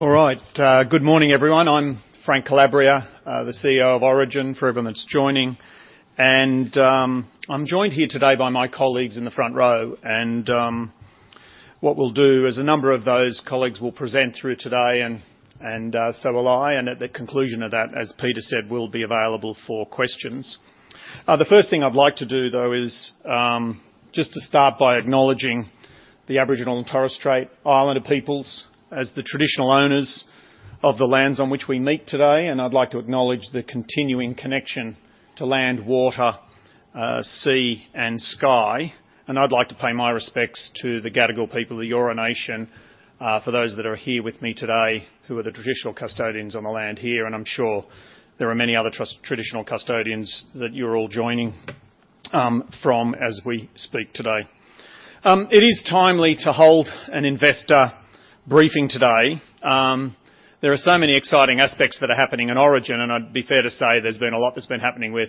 All right, good morning, everyone. I'm Frank Calabria, the CEO of Origin, for everyone that's joining. And, I'm joined here today by my colleagues in the front row, and, what we'll do is a number of those colleagues will present through today, and, so will I. And at the conclusion of that, as Peter said, we'll be available for questions. The first thing I'd like to do, though, is, just to start by acknowledging the Aboriginal and Torres Strait Islander peoples as the traditional owners of the lands on which we meet today, and I'd like to acknowledge the continuing connection to land, water, sea, and sky. I'd like to pay my respects to the Gadigal people of the Eora Nation, for those that are here with me today, who are the traditional custodians on the land here, and I'm sure there are many other traditional custodians that you're all joining from as we speak today. It is timely to hold an investor briefing today. There are so many exciting aspects that are happening in Origin, and I'd be fair to say there's been a lot that's been happening with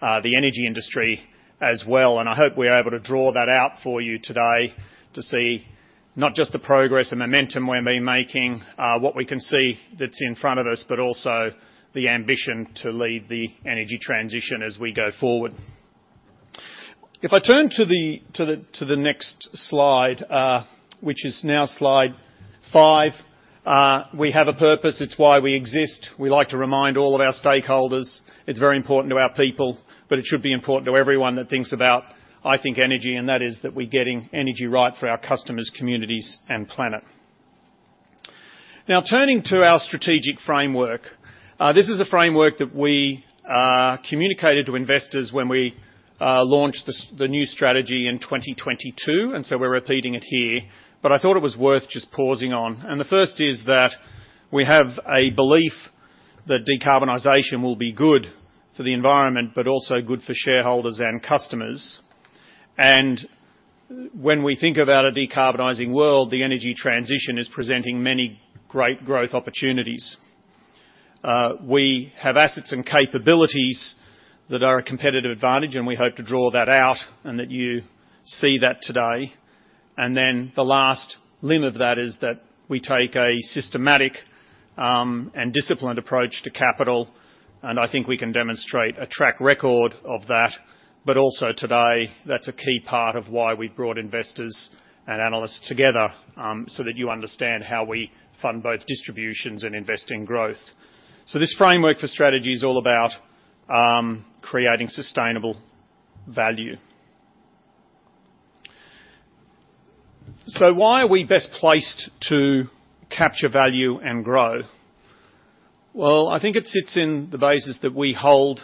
the energy industry as well, and I hope we're able to draw that out for you today to see not just the progress and momentum we've been making, what we can see that's in front of us, but also the ambition to lead the energy transition as we go forward. If I turn to the next slide, which is now slide five, we have a purpose. It's why we exist. We like to remind all of our stakeholders. It's very important to our people, but it should be important to everyone that thinks about, I think, energy, and that is, that we're getting energy right for our customers, communities, and planet. Now, turning to our strategic framework, this is a framework that we communicated to investors when we launched the new strategy in 2022, and so we're repeating it here, but I thought it was worth just pausing on. The first is that we have a belief that decarbonization will be good for the environment, but also good for shareholders and customers. When we think about a decarbonizing world, the energy transition is presenting many great growth opportunities. We have assets and capabilities that are a competitive advantage, and we hope to draw that out and that you see that today. Then, the last limb of that is that we take a systematic and disciplined approach to capital, and I think we can demonstrate a track record of that. But also today, that's a key part of why we've brought investors and analysts together, so that you understand how we fund both distributions and invest in growth. So this framework for strategy is all about creating sustainable value. So why are we best placed to capture value and grow? Well, I think it sits in the basis that we hold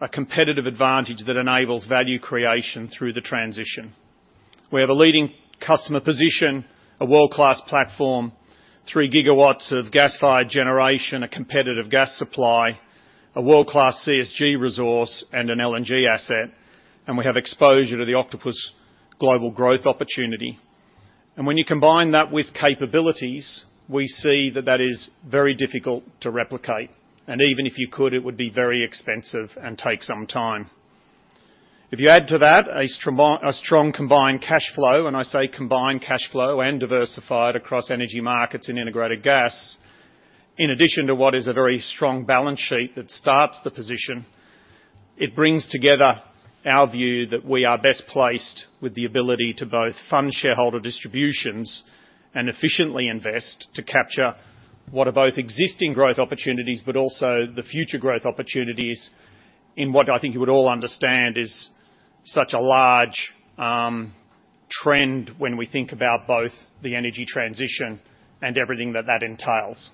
a competitive advantage that enables value creation through the transition. We have a leading customer position, a world-class platform, 3 GW of gas-fired generation, a competitive gas supply, a world-class CSG resource, and an LNG asset, and we have exposure to the Octopus global growth opportunity. When you combine that with capabilities, we see that that is very difficult to replicate, and even if you could, it would be very expensive and take some time. If you add to that a strong combined cash flow, when I say combined cash flow, and diversified across Energy Markets and Integrated Gas, in addition to what is a very strong balance sheet that starts the position, it brings together our view that we are best placed with the ability to both fund shareholder distributions and efficiently invest to capture what are both existing growth opportunities, but also the future growth opportunities in what I think you would all understand is such a large trend when we think about both the energy transition and everything that that entails.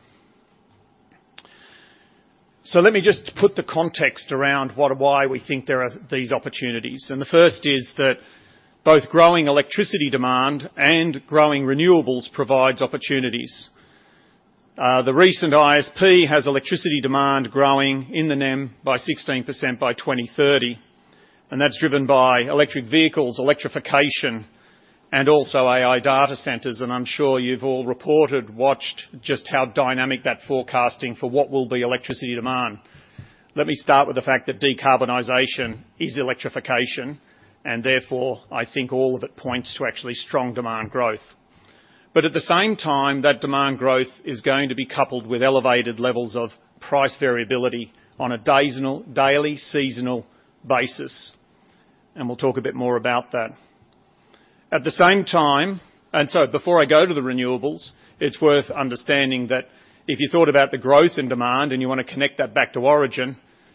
So let me just put the context around what and why we think there are these opportunities. The first is that both growing electricity demand and growing renewables provides opportunities. The recent ISP has electricity demand growing in the NEM by 16% by 2030, and that's driven by electric vehicles, electrification, and also AI data centers, and I'm sure you've all reported, watched just how dynamic that forecasting for what will be electricity demand. Let me start with the fact that decarbonization is electrification, and therefore, I think all of it points to actually strong demand growth. But at the same time, that demand growth is going to be coupled with elevated levels of price variability on a daily, seasonal basis, and we'll talk a bit more about that. At the same time... Before I go to the renewables, it's worth understanding that if you thought about the growth in demand and you wanna connect that back to Origin,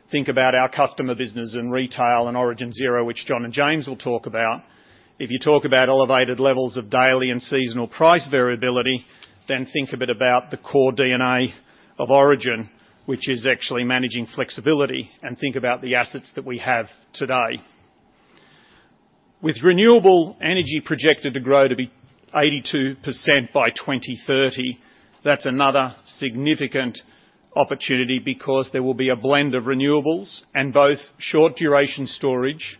think about our customer business and retail and Origin Zero, which Jon and James will talk about. If you talk about elevated levels of daily and seasonal price variability, then think a bit about the core DNA of Origin, which is actually managing flexibility, and think about the assets that we have today. With renewable energy projected to grow to be 82% by 2030, that's another significant opportunity because there will be a blend of renewables and both short-duration storage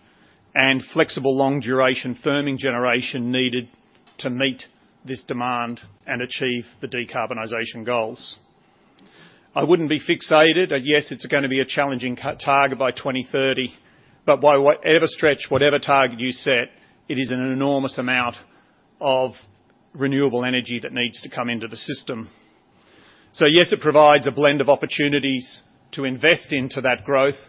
and flexible long-duration firming generation needed to meet this demand and achieve the decarbonization goals. I wouldn't be fixated, and, yes, it's gonna be a challenging cut target by 2030, but by whatever stretch, whatever target you set, it is an enormous amount of renewable energy that needs to come into the system. So yes, it provides a blend of opportunities to invest into that growth,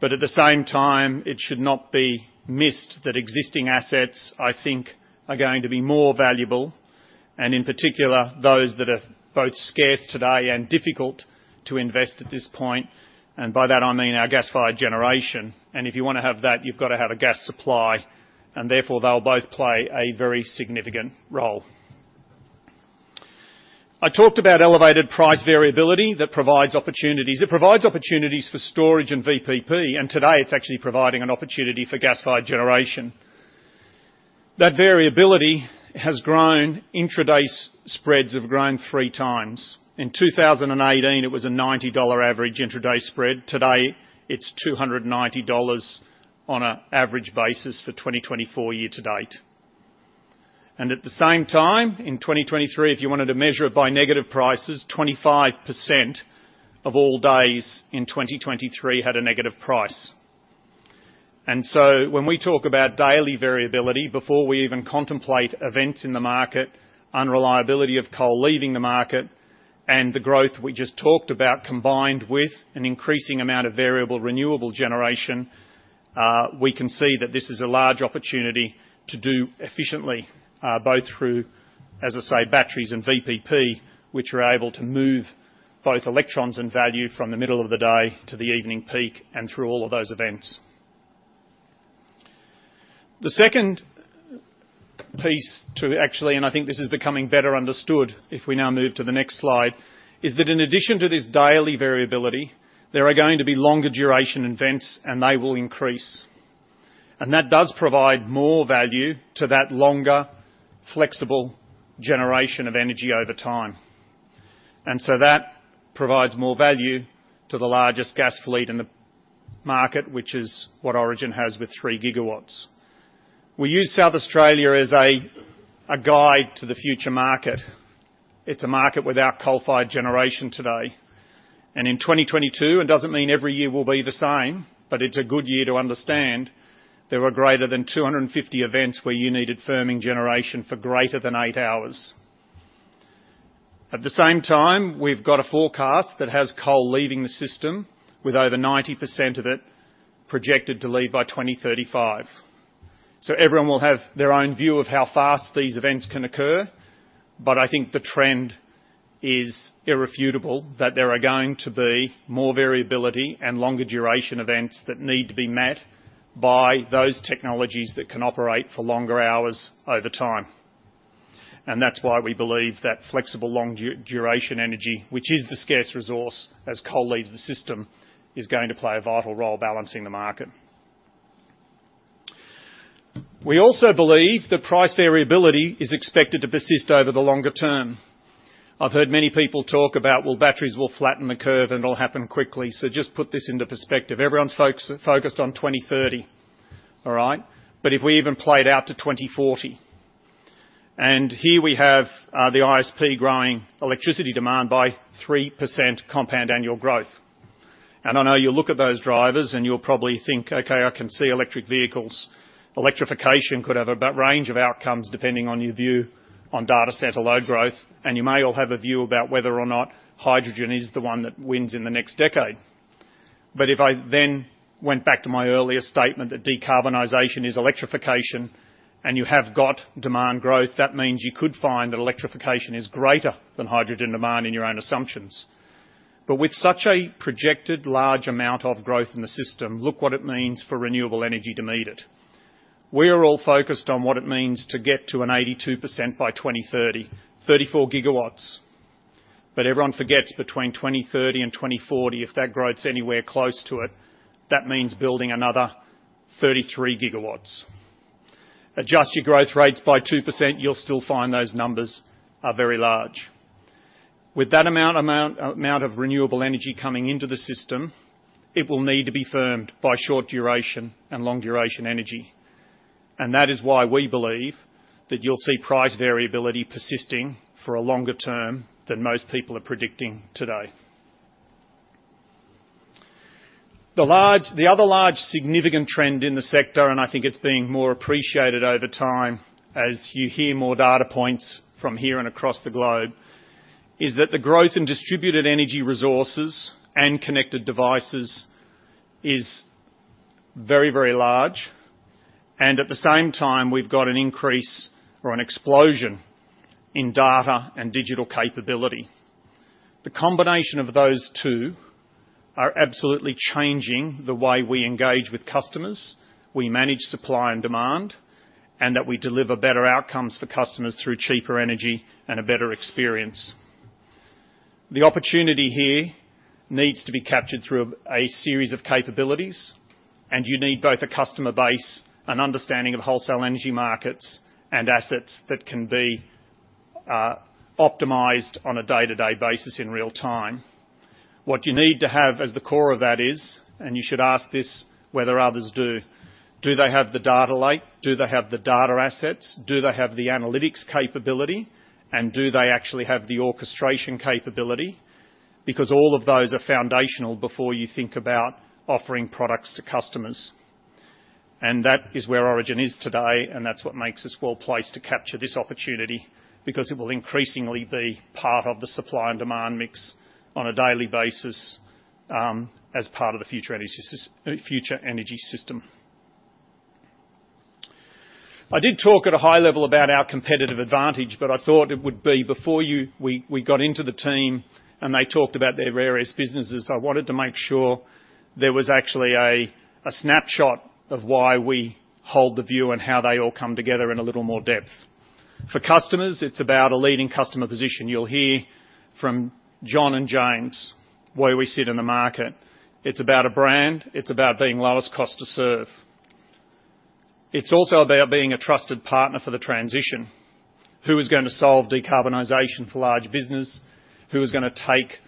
but at the same time, it should not be missed that existing assets, I think, are going to be more valuable, and in particular, those that are both scarce today and difficult to invest at this point, and by that, I mean our gas-fired generation. And if you wanna have that, you've got to have a gas supply, and therefore, they'll both play a very significant role. I talked about elevated price variability that provides opportunities. It provides opportunities for storage and VPP, and today it's actually providing an opportunity for gas-fired generation. That variability has grown. Intraday spreads have grown three times. In 2018, it was an 90 dollar average intraday spread. Today, it's 290 dollars on an average basis for 2024 year to date. And at the same time, in 2023, if you wanted to measure it by negative prices, 25% of all days in 2023 had a negative price. And so when we talk about daily variability, before we even contemplate events in the market, unreliability of coal leaving the market, and the growth we just talked about, combined with an increasing amount of variable renewable generation, we can see that this is a large opportunity to do efficiently, both through, as I say, batteries and VPP, which are able to move both electrons and value from the middle of the day to the evening peak and through all of those events. The second piece, actually, and I think this is becoming better understood, if we now move to the next slide, is that in addition to this daily variability, there are going to be longer duration events, and they will increase. That does provide more value to that longer, flexible generation of energy over time. So that provides more value to the largest gas fleet in the market, which is what Origin has with 3 GW. We use South Australia as a guide to the future market. It's a market without coal-fired generation today. In 2022, it doesn't mean every year will be the same, but it's a good year to understand there were greater than 250 events where you needed firming generation for greater than 8 hours. At the same time, we've got a forecast that has coal leaving the system, with over 90% of it projected to leave by 2035. So everyone will have their own view of how fast these events can occur, but I think the trend is irrefutable, that there are going to be more variability and longer duration events that need to be met by those technologies that can operate for longer hours over time. And that's why we believe that flexible, long-duration energy, which is the scarce resource as coal leaves the system, is going to play a vital role balancing the market. We also believe that price variability is expected to persist over the longer term. I've heard many people talk about, well, batteries will flatten the curve, and it'll happen quickly. So just put this into perspective. Everyone's focused on 2030, all right? But if we even play it out to 2040, and here we have the ISP growing electricity demand by 3% compound annual growth. And I know you'll look at those drivers, and you'll probably think, "Okay, I can see electric vehicles. Electrification could have a broad range of outcomes depending on your view on data center load growth," and you may all have a view about whether or not hydrogen is the one that wins in the next decade. But if I then went back to my earlier statement, that decarbonization is electrification, and you have got demand growth, that means you could find that electrification is greater than hydrogen demand in your own assumptions. But with such a projected large amount of growth in the system, look what it means for renewable energy to meet it. We are all focused on what it means to get to 82% by 2030, 34 GW. But everyone forgets between 2030 and 2040, if that grows anywhere close to it, that means building another 33 GW. Adjust your growth rates by 2%, you'll still find those numbers are very large. With that amount of renewable energy coming into the system, it will need to be firmed by short-duration and long-duration energy, and that is why we believe that you'll see price variability persisting for a longer term than most people are predicting today. The other large, significant trend in the sector, and I think it's being more appreciated over time as you hear more data points from here and across the globe, is that the growth in distributed energy resources and connected devices is very, very large, and at the same time, we've got an increase or an explosion in data and digital capability. The combination of those two are absolutely changing the way we engage with customers, we manage supply and demand, and that we deliver better outcomes for customers through cheaper energy and a better experience. The opportunity here needs to be captured through a series of capabilities, and you need both a customer base and understanding of wholesale energy markets and assets that can be optimized on a day-to-day basis in real time. What you need to have as the core of that is, and you should ask this, whether others do, do they have the data lake? Do they have the data assets? Do they have the analytics capability, and do they actually have the orchestration capability? Because all of those are foundational before you think about offering products to customers. And that is where Origin is today, and that's what makes us well-placed to capture this opportunity, because it will increasingly be part of the supply and demand mix on a daily basis, as part of the future energy system. I did talk at a high level about our competitive advantage, but I thought it would be, before we got into the team and they talked about their various businesses, I wanted to make sure there was actually a snapshot of why we hold the view and how they all come together in a little more depth. For customers, it's about a leading customer position. You'll hear from Jon and James, where we sit in the market. It's about a brand. It's about being lowest cost to serve. It's also about being a trusted partner for the transition. Who is going to solve decarbonization for large business? Who is gonna take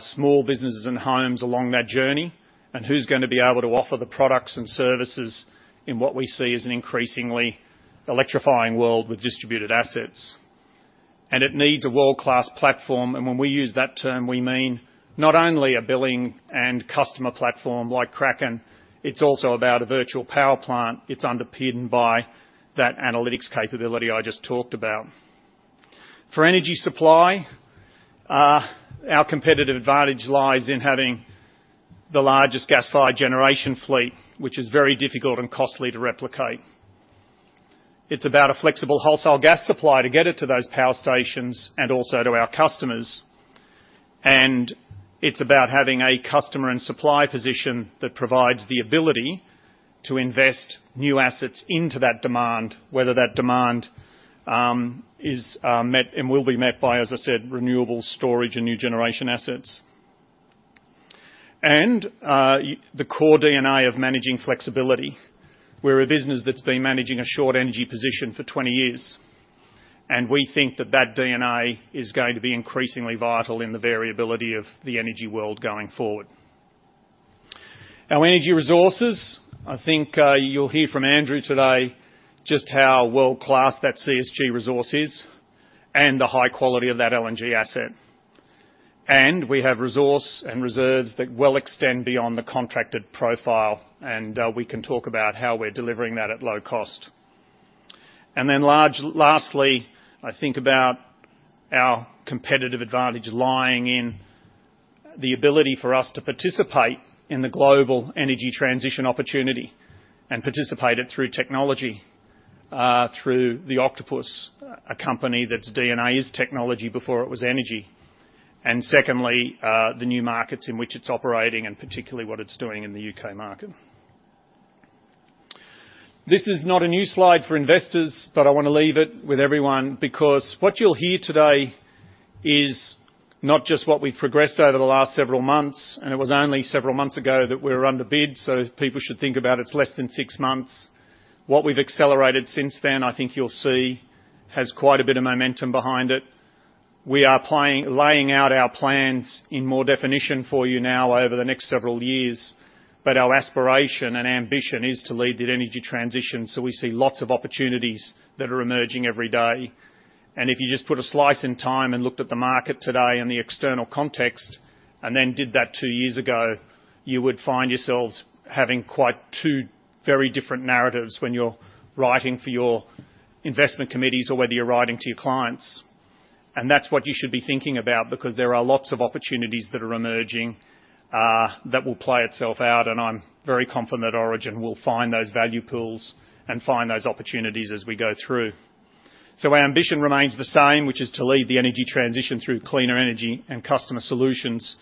small businesses and homes along that journey? And who's going to be able to offer the products and services in what we see as an increasingly electrifying world with distributed assets? It needs a world-class platform, and when we use that term, we mean not only a billing and customer platform like Kraken, it's also about a virtual power plant. It's underpinned by that analytics capability I just talked about. For energy supply, our competitive advantage lies in having the largest gas-fired generation fleet, which is very difficult and costly to replicate. It's about a flexible wholesale gas supply to get it to those power stations and also to our customers, and it's about having a customer and supply position that provides the ability to invest new assets into that demand, whether that demand is met and will be met by, as I said, renewable storage and new generation assets. The core DNA of managing flexibility, we're a business that's been managing a short energy position for 20 years, and we think that that DNA is going to be increasingly vital in the variability of the energy world going forward. Our energy resources, I think, you'll hear from Andrew today, just how world-class that CSG resource is and the high quality of that LNG asset. And we have resource and reserves that well extend beyond the contracted profile, and we can talk about how we're delivering that at low cost. And then lastly, I think about our competitive advantage lying in the ability for us to participate in the global energy transition opportunity, and participate it through technology, through the Octopus, a company that's DNA is technology before it was energy. Secondly, the new markets in which it's operating, and particularly what it's doing in the UK market. This is not a new slide for investors, but I want to leave it with everyone, because what you'll hear today is not just what we've progressed over the last several months, and it was only several months ago that we were under bid, so people should think about it's less than six months. What we've accelerated since then, I think you'll see, has quite a bit of momentum behind it. We are laying out our plans in more definition for you now over the next several years, but our aspiration and ambition is to lead the energy transition, so we see lots of opportunities that are emerging every day. If you just put a slice in time and looked at the market today and the external context, and then did that two years ago, you would find yourselves having quite two very different narratives when you're writing for your investment committees or whether you're writing to your clients. That's what you should be thinking about, because there are lots of opportunities that are emerging, that will play itself out, and I'm very confident Origin will find those value pools and find those opportunities as we go through. Our ambition remains the same, which is to lead the energy transition through cleaner energy and customer solutions.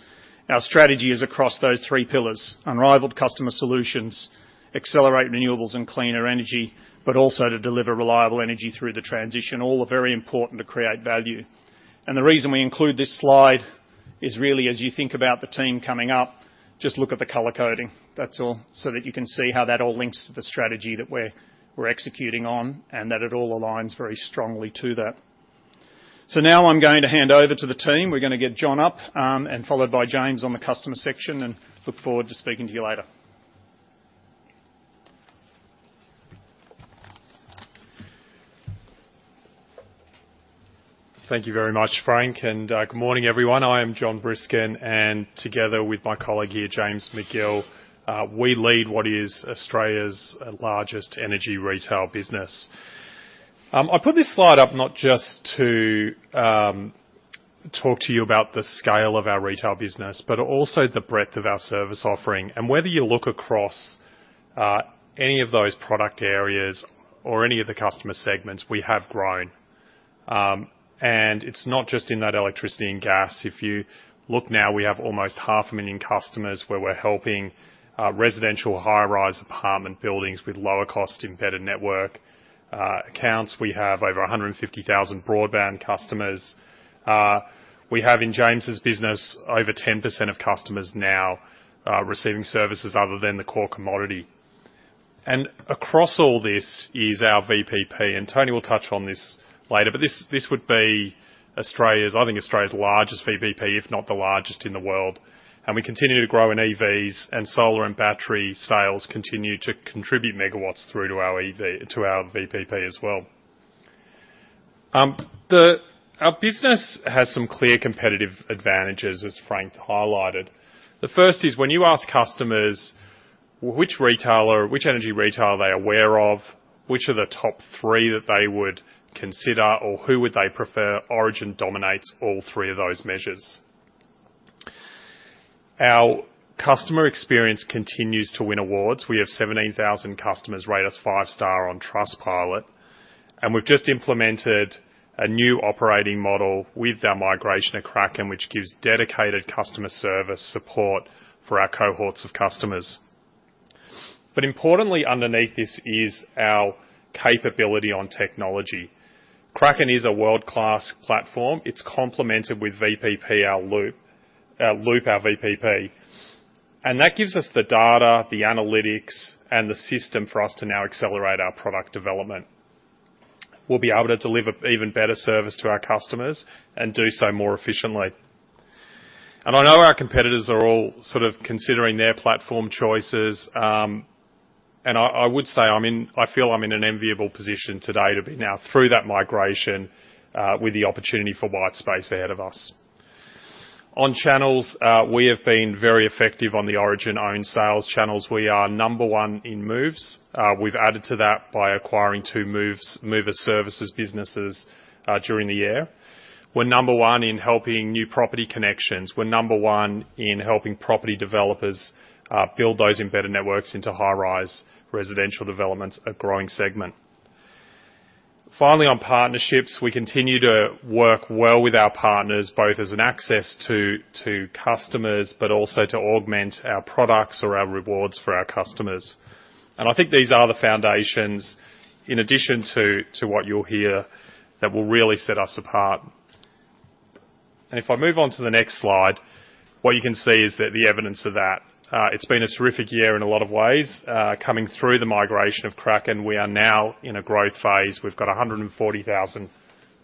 Our strategy is across those three pillars: unrivaled customer solutions, accelerate renewables and cleaner energy, but also to deliver reliable energy through the transition. All are very important to create value. The reason we include this slide is really, as you think about the team coming up, just look at the color coding. That's all, so that you can see how that all links to the strategy that we're executing on, and that it all aligns very strongly to that. So now I'm going to hand over to the team. We're going to get Jon up, and followed by James on the customer section, and look forward to speaking to you later. Thank you very much, Frank, and good morning, everyone. I am Jon Briskin, and together with my colleague here, James Magill, we lead what is Australia's largest energy retail business. I put this slide up not just to talk to you about the scale of our retail business, but also the breadth of our service offering. Whether you look across any of those product areas or any of the customer segments, we have grown. It's not just in that electricity and gas. If you look now, we have almost 500,000 customers, where we're helping residential high-rise apartment buildings with lower cost, embedded network accounts. We have over 150,000 broadband customers. We have in James's business over 10% of customers now receiving services other than the core commodity. And across all this is our VPP, and Tony will touch on this later, but this, this would be Australia's, I think, Australia's largest VPP, if not the largest in the world. And we continue to grow in EVs, and solar and battery sales continue to contribute megawatts through to our EV- to our VPP as well. The our business has some clear competitive advantages, as Frank highlighted. The first is when you ask customers which retailer, which energy retailer are they aware of, which are the top three that they would consider, or who would they prefer? Origin dominates all three of those measures. Our customer experience continues to win awards. We have 17,000 customers rate us five star on Trustpilot, and we've just implemented a new operating model with our migration to Kraken, which gives dedicated customer service support for our cohorts of customers. But importantly, underneath this is our capability on technology. Kraken is a world-class platform. It's complemented with VPP, our Loop, Loop, our VPP. And that gives us the data, the analytics, and the system for us to now accelerate our product development. We'll be able to deliver even better service to our customers and do so more efficiently. And I know our competitors are all sort of considering their platform choices, and I would say I feel I'm in an enviable position today to be now through that migration, with the opportunity for white space ahead of us. On channels, we have been very effective on the Origin-owned sales channels. We are number one in moves. We've added to that by acquiring two mover services businesses during the year. We're number one in helping new property connections. We're number one in helping property developers build those embedded networks into high-rise residential developments, a growing segment. Finally, on partnerships, we continue to work well with our partners, both as an access to, to customers, but also to augment our products or our rewards for our customers. And I think these are the foundations, in addition to, to what you'll hear, that will really set us apart. And if I move on to the next slide, what you can see is that the evidence of that. It's been a terrific year in a lot of ways. Coming through the migration of Kraken, we are now in a growth phase. We've got 140,000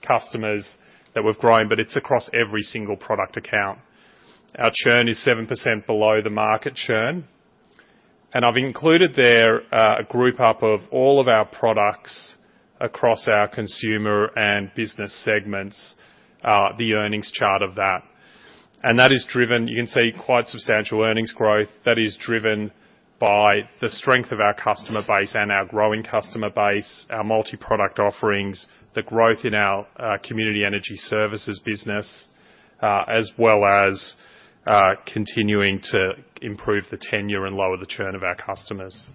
customers that we've grown, but it's across every single product account. Our churn is 7% below the market churn, and I've included there, a roundup of all of our products across our consumer and business segments, the earnings chart of that. That is driven, you can see, quite substantial earnings growth that is driven by the strength of our customer base and our growing customer base, our multi-product offerings, the growth in our community energy services business, as well as continuing to improve the tenure and lower the churn of our customers.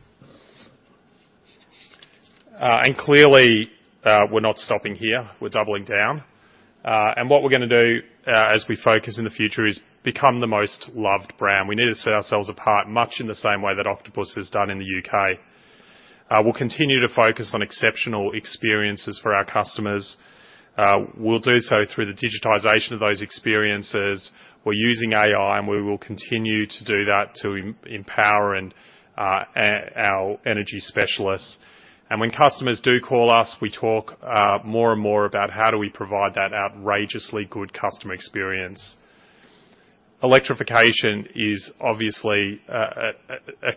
Clearly, we're not stopping here. We're doubling down. What we're gonna do, as we focus in the future is become the most loved brand. We need to set ourselves apart, much in the same way that Octopus has done in the U.K. We'll continue to focus on exceptional experiences for our customers. We'll do so through the digitization of those experiences. We're using AI, and we will continue to do that to empower our energy specialists. And when customers do call us, we talk more and more about how do we provide that outrageously good customer experience. Electrification is obviously a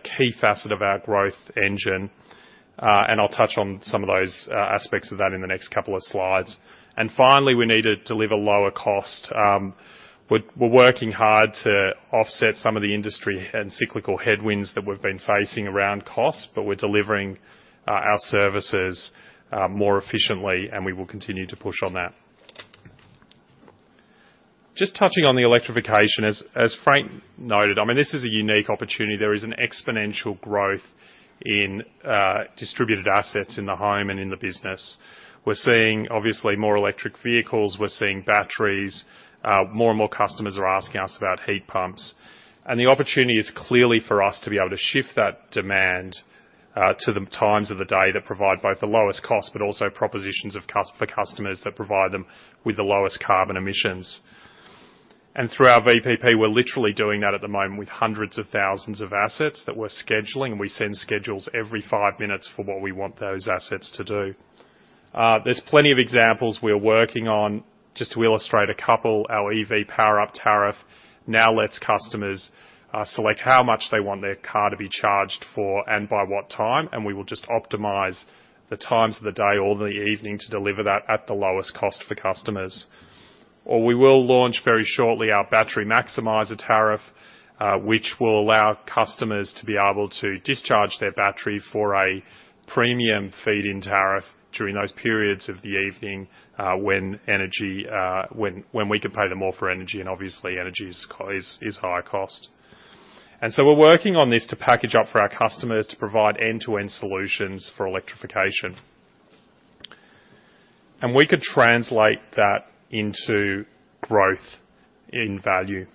key facet of our growth engine, and I'll touch on some of those aspects of that in the next couple of slides. Finally, we need to deliver lower cost. We're working hard to offset some of the industry and cyclical headwinds that we've been facing around costs, but we're delivering our services more efficiently, and we will continue to push on that. Just touching on the electrification, as Frank noted, I mean, this is a unique opportunity. There is an exponential growth in distributed assets in the home and in the business. We're seeing, obviously, more electric vehicles, we're seeing batteries, more and more customers are asking us about heat pumps. And the opportunity is clearly for us to be able to shift that demand to the times of the day that provide both the lowest cost, but also propositions for customers that provide them with the lowest carbon emissions. And through our VPP, we're literally doing that at the moment with hundreds of thousands of assets that we're scheduling. We send schedules every five minutes for what we want those assets to do. There's plenty of examples we're working on. Just to illustrate a couple, our EV Power Up tariff now lets customers select how much they want their car to be charged for and by what time, and we will just optimize the times of the day or the evening to deliver that at the lowest cost for customers. Or we will launch very shortly our Battery Maximizer tariff, which will allow customers to be able to discharge their battery for a premium feed-in tariff during those periods of the evening when energy, when we can pay them more for energy, and obviously, energy is high cost. And so we're working on this to package up for our customers to provide end-to-end solutions for electrification. And we could translate that into growth in value.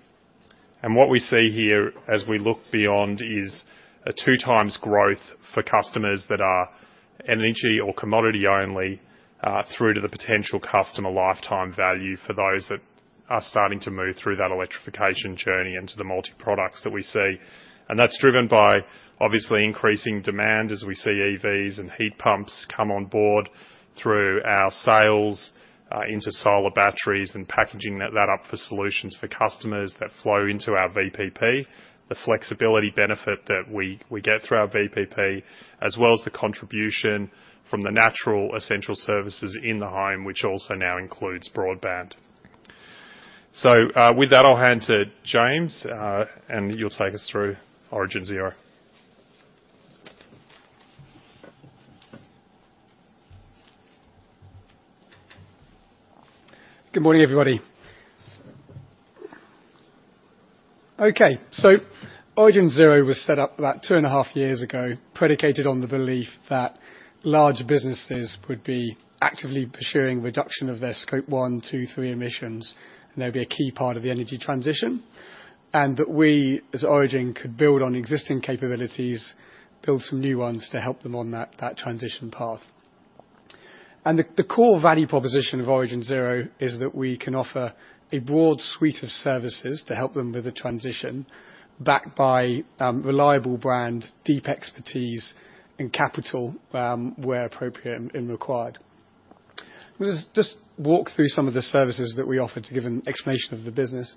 And what we see here as we look beyond is a 2x growth for customers that are energy or commodity only, through to the potential customer lifetime value for those that are starting to move through that electrification journey into the multi-products that we see. And that's driven by, obviously, increasing demand as we see EVs and heat pumps come on board through our sales, into solar batteries and packaging that up for solutions for customers that flow into our VPP. The flexibility benefit that we get through our VPP, as well as the contribution from the natural essential services in the home, which also now includes broadband.... So, with that, I'll hand to James, and you'll take us through Origin Zero. Good morning, everybody. Okay, so Origin Zero was set up about 2.5 years ago, predicated on the belief that large businesses would be actively pursuing reduction of their Scope 1, 2, 3 emissions, and they'd be a key part of the energy transition, and that we, as Origin, could build on existing capabilities, build some new ones to help them on that transition path. And the core value proposition of Origin Zero is that we can offer a broad suite of services to help them with the transition, backed by reliable brand, deep expertise, and capital, where appropriate and required. We'll just walk through some of the services that we offer to give an explanation of the business.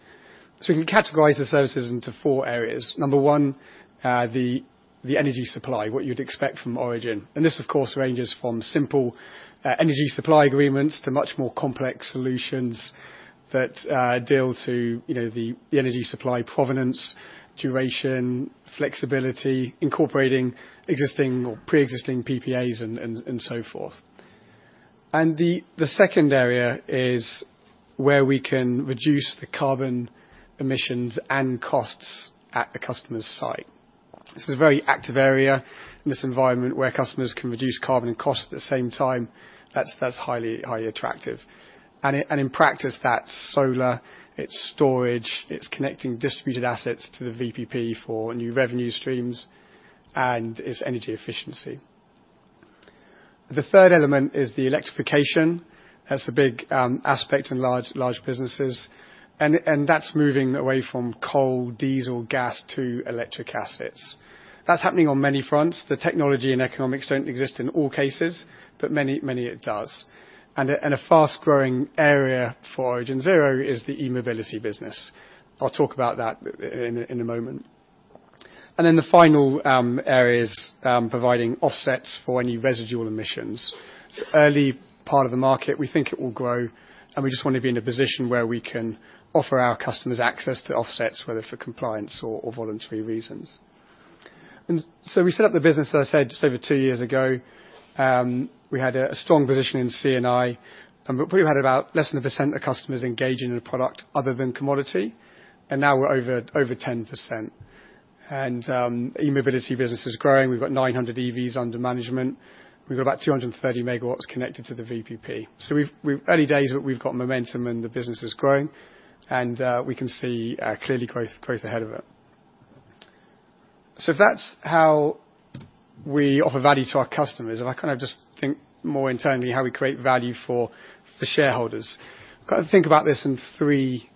So we can categorize the services into four areas. Number one, the energy supply, what you'd expect from Origin. And this, of course, ranges from simple energy supply agreements to much more complex solutions that deal to, you know, the, the energy supply provenance, duration, flexibility, incorporating existing or pre-existing PPAs and, and, and so forth. And the second area is where we can reduce the carbon emissions and costs at the customer's site. This is a very active area in this environment, where customers can reduce carbon and cost at the same time. That's, that's highly, highly attractive. And in practice, that's solar, it's storage, it's connecting distributed assets to the VPP for new revenue streams, and it's energy efficiency. The third element is the electrification. That's a big aspect in large, large businesses, and it and that's moving away from coal, diesel, gas, to electric assets. That's happening on many fronts. The technology and economics don't exist in all cases, but many, many it does. And a fast-growing area for Origin Zero is the e-mobility business. I'll talk about that in a moment. And then the final area is providing offsets for any residual emissions. It's early part of the market. We think it will grow, and we just want to be in a position where we can offer our customers access to offsets, whether for compliance or voluntary reasons. And so we set up the business, as I said, just over two years ago. We had a strong position in CNI, and we probably had about less than 1% of customers engaging in the product other than commodity, and now we're over 10%. And e-mobility business is growing. We've got 900 EVs under management. We've got about 230 MW connected to the VPP. So we've. Early days, but we've got momentum, and the business is growing, and we can see clearly growth ahead of it. So if that's how we offer value to our customers, and I kind of just think more internally, how we create value for the shareholders. Got to think about this in three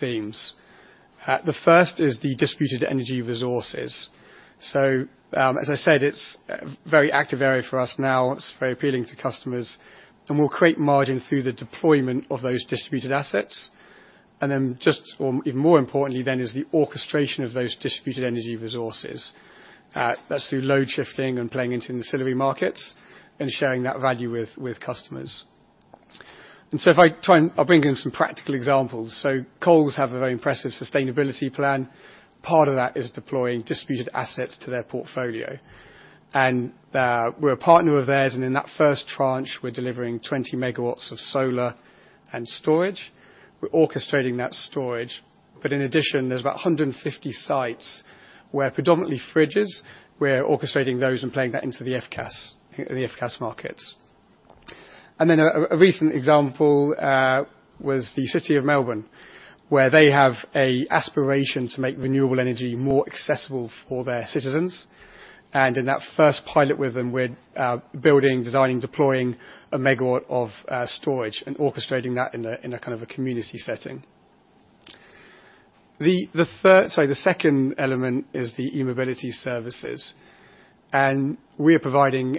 themes. The first is the distributed energy resources. So, as I said, it's a very active area for us now. It's very appealing to customers, and we'll create margin through the deployment of those distributed assets. And then just or even more importantly then, is the orchestration of those distributed energy resources. That's through load shifting and playing into ancillary markets and sharing that value with customers. And so if I try and I'll bring in some practical examples. So Coles have a very impressive sustainability plan. Part of that is deploying distributed assets to their portfolio. And we're a partner of theirs, and in that first tranche, we're delivering 20 MW of solar and storage. We're orchestrating that storage, but in addition, there's about 150 sites, where predominantly fridges, we're orchestrating those and playing that into the FCAS, the FCAS markets. And then a recent example was the City of Melbourne, where they have an aspiration to make renewable energy more accessible for their citizens. And in that first pilot with them, we're building, designing, deploying 1 MW of storage and orchestrating that in a kind of a community setting. The second element is the e-mobility services, and we are providing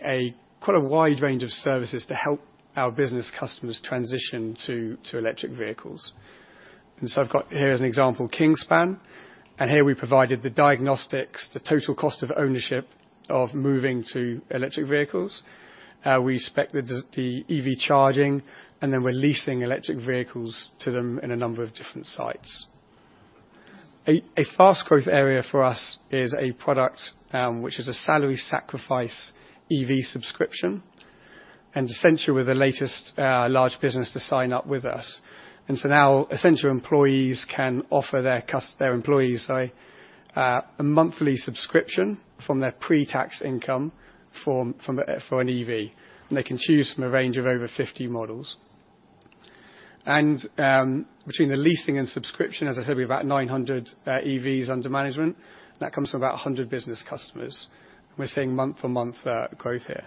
quite a wide range of services to help our business customers transition to electric vehicles. And so I've got here as an example, Kingspan, and here we provided the diagnostics, the total cost of ownership of moving to electric vehicles. We spec'd the EV charging, and then we're leasing electric vehicles to them in a number of different sites. A fast growth area for us is a product which is a salary sacrifice EV subscription, and Accenture were the latest large business to sign up with us. And so now, Accenture employees can offer their employees, sorry, a monthly subscription from their pre-tax income for an EV, and they can choose from a range of over 50 models. Between the leasing and subscription, as I said, we've about 900 EVs under management, and that comes from about 100 business customers. We're seeing month-to-month growth here.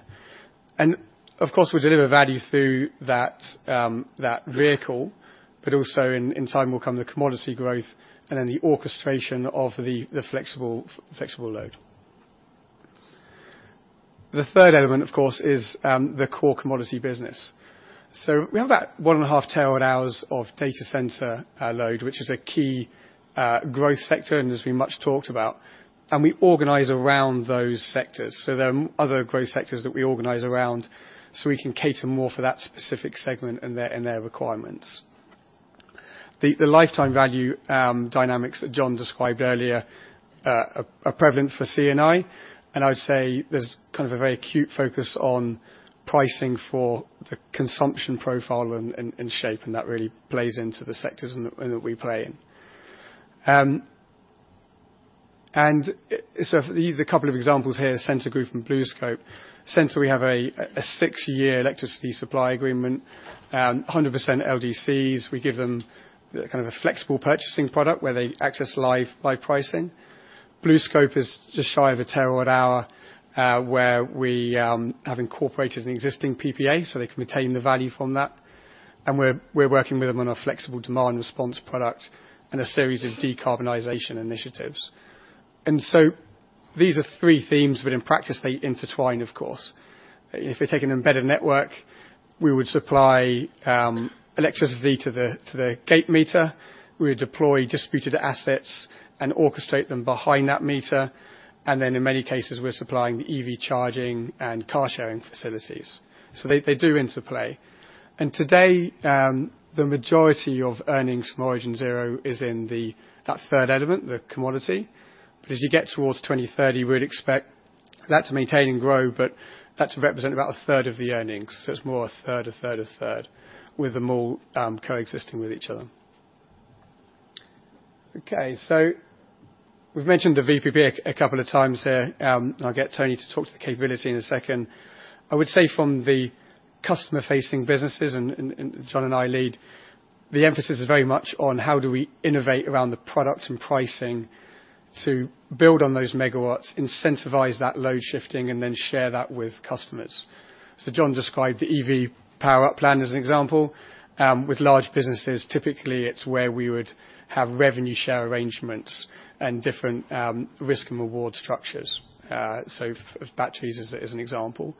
Of course, we deliver value through that vehicle, but also in time will come the commodity growth and then the orchestration of the, the flexible, flexible load. The third element, of course, is the core commodity business. So we have about 1.5 TWh of data center load, which is a key growth sector and has been much talked about, and we organize around those sectors. So there are other growth sectors that we organize around, so we can cater more for that specific segment and their, and their requirements. The lifetime value dynamics that Jon described earlier are prevalent for CNI, and I would say there's kind of a very acute focus on pricing for the consumption profile and shape, and that really plays into the sectors that we play in. So the couple of examples here, Scentre Group and BlueScope. Scentre, we have a six-year electricity supply agreement, 100% LGCs. We give them the kind of a flexible purchasing product where they access live pricing. BlueScope is just shy of 1 TWh, where we have incorporated an existing PPA, so they can retain the value from that, and we're working with them on a flexible demand response product and a series of decarbonization initiatives. And so these are three themes, but in practice, they intertwine of course. If you're taking an embedded network, we would supply electricity to the gate meter. We would deploy distributed assets and orchestrate them behind that meter, and then in many cases, we're supplying the EV charging and car sharing facilities. So they do interplay. And today the majority of earnings from Origin Zero is in the that third element, the commodity. But as you get towards 2030, we'd expect that to maintain and grow, but that's represent about a third of the earnings. So it's more a third, a third, a third, with them all coexisting with each other. Okay, so we've mentioned the VPP a couple of times here. I'll get Tony to talk to the capability in a second. I would say from the customer-facing businesses, Jon and I lead, the emphasis is very much on how do we innovate around the product and pricing to build on those megawatts, incentivize that load shifting, and then share that with customers. So Jon described the EV Power Up plan as an example. With large businesses, typically, it's where we would have revenue share arrangements and different risk and reward structures. So of batteries as an example.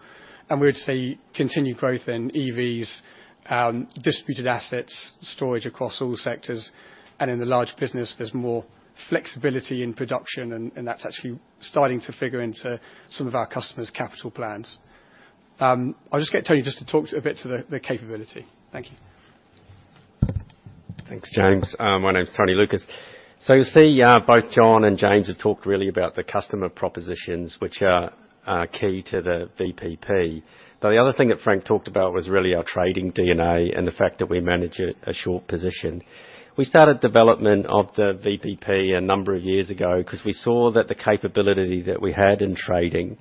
And we'd say continued growth in EVs, distributed assets, storage across all sectors, and in the large business, there's more flexibility in production, and that's actually starting to figure into some of our customers' capital plans. I'll just get Tony to talk a bit to the capability. Thank you. Thanks, James. My name is Tony Lucas. So you'll see both Jon and James have talked really about the customer propositions, which are key to the VPP. But the other thing that Frank talked about was really our trading DNA and the fact that we manage it a short position. We started development of the VPP a number of years ago 'cause we saw that the capability that we had in trading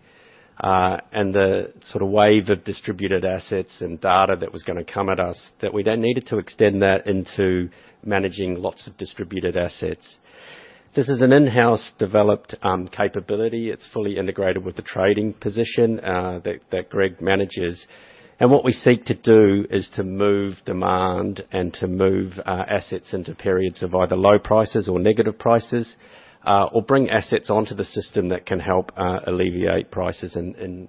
and the sort of wave of distributed assets and data that was gonna come at us, that we then needed to extend that into managing lots of distributed assets. This is an in-house developed capability. It's fully integrated with the trading position that Greg manages. What we seek to do is to move demand and to move assets into periods of either low prices or negative prices, or bring assets onto the system that can help alleviate prices in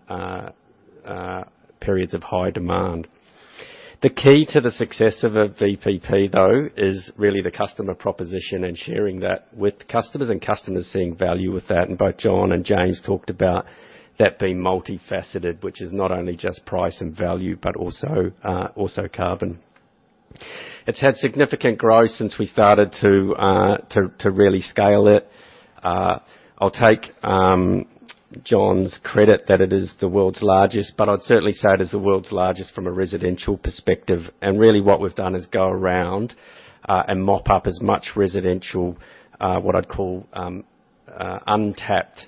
periods of high demand. The key to the success of a VPP, though, is really the customer proposition and sharing that with customers, and customers seeing value with that, and both Jon and James talked about that being multifaceted, which is not only just price and value, but also also carbon. It's had significant growth since we started to really scale it. I'll take Jon's credit that it is the world's largest, but I'd certainly say it is the world's largest from a residential perspective. Really what we've done is go around and mop up as much residential, what I'd call, untapped,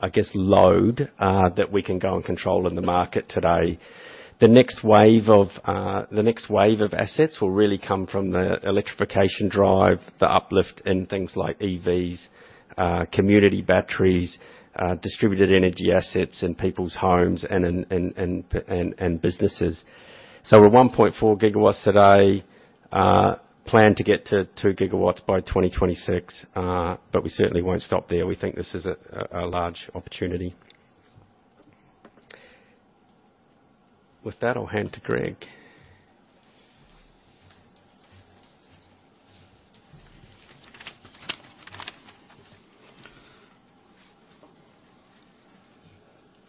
I guess, load, that we can go and control in the market today. The next wave of, the next wave of assets will really come from the electrification drive, the uplift in things like EVs, community batteries, distributed energy assets in people's homes and in businesses. So we're 1.4 GW today, plan to get to 2 GW by 2026, but we certainly won't stop there. We think this is a large opportunity. With that, I'll hand to Greg.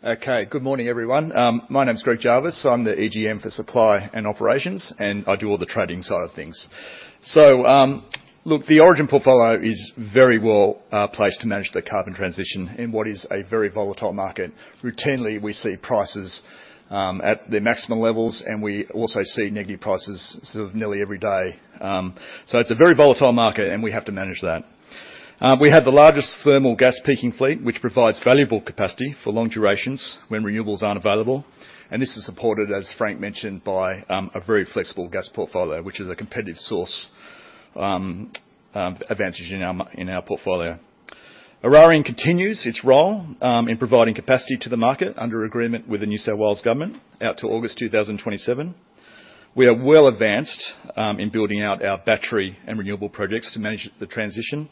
Okay. Good morning, everyone. My name is Greg Jarvis. I'm the EGM for Supply and Operations, and I do all the trading side of things. So, look, the Origin portfolio is very well placed to manage the carbon transition in what is a very volatile market. Routinely, we see prices at their maximum levels, and we also see negative prices sort of nearly every day. So it's a very volatile market, and we have to manage that. We have the largest thermal gas peaking fleet, which provides valuable capacity for long durations when renewables aren't available, and this is supported, as Frank mentioned, by a very flexible gas portfolio, which is a competitive source advantage in our portfolio. Eraring continues its role in providing capacity to the market under agreement with the New South Wales government, out to August 2027. We are well advanced in building out our battery and renewable projects to manage the transition.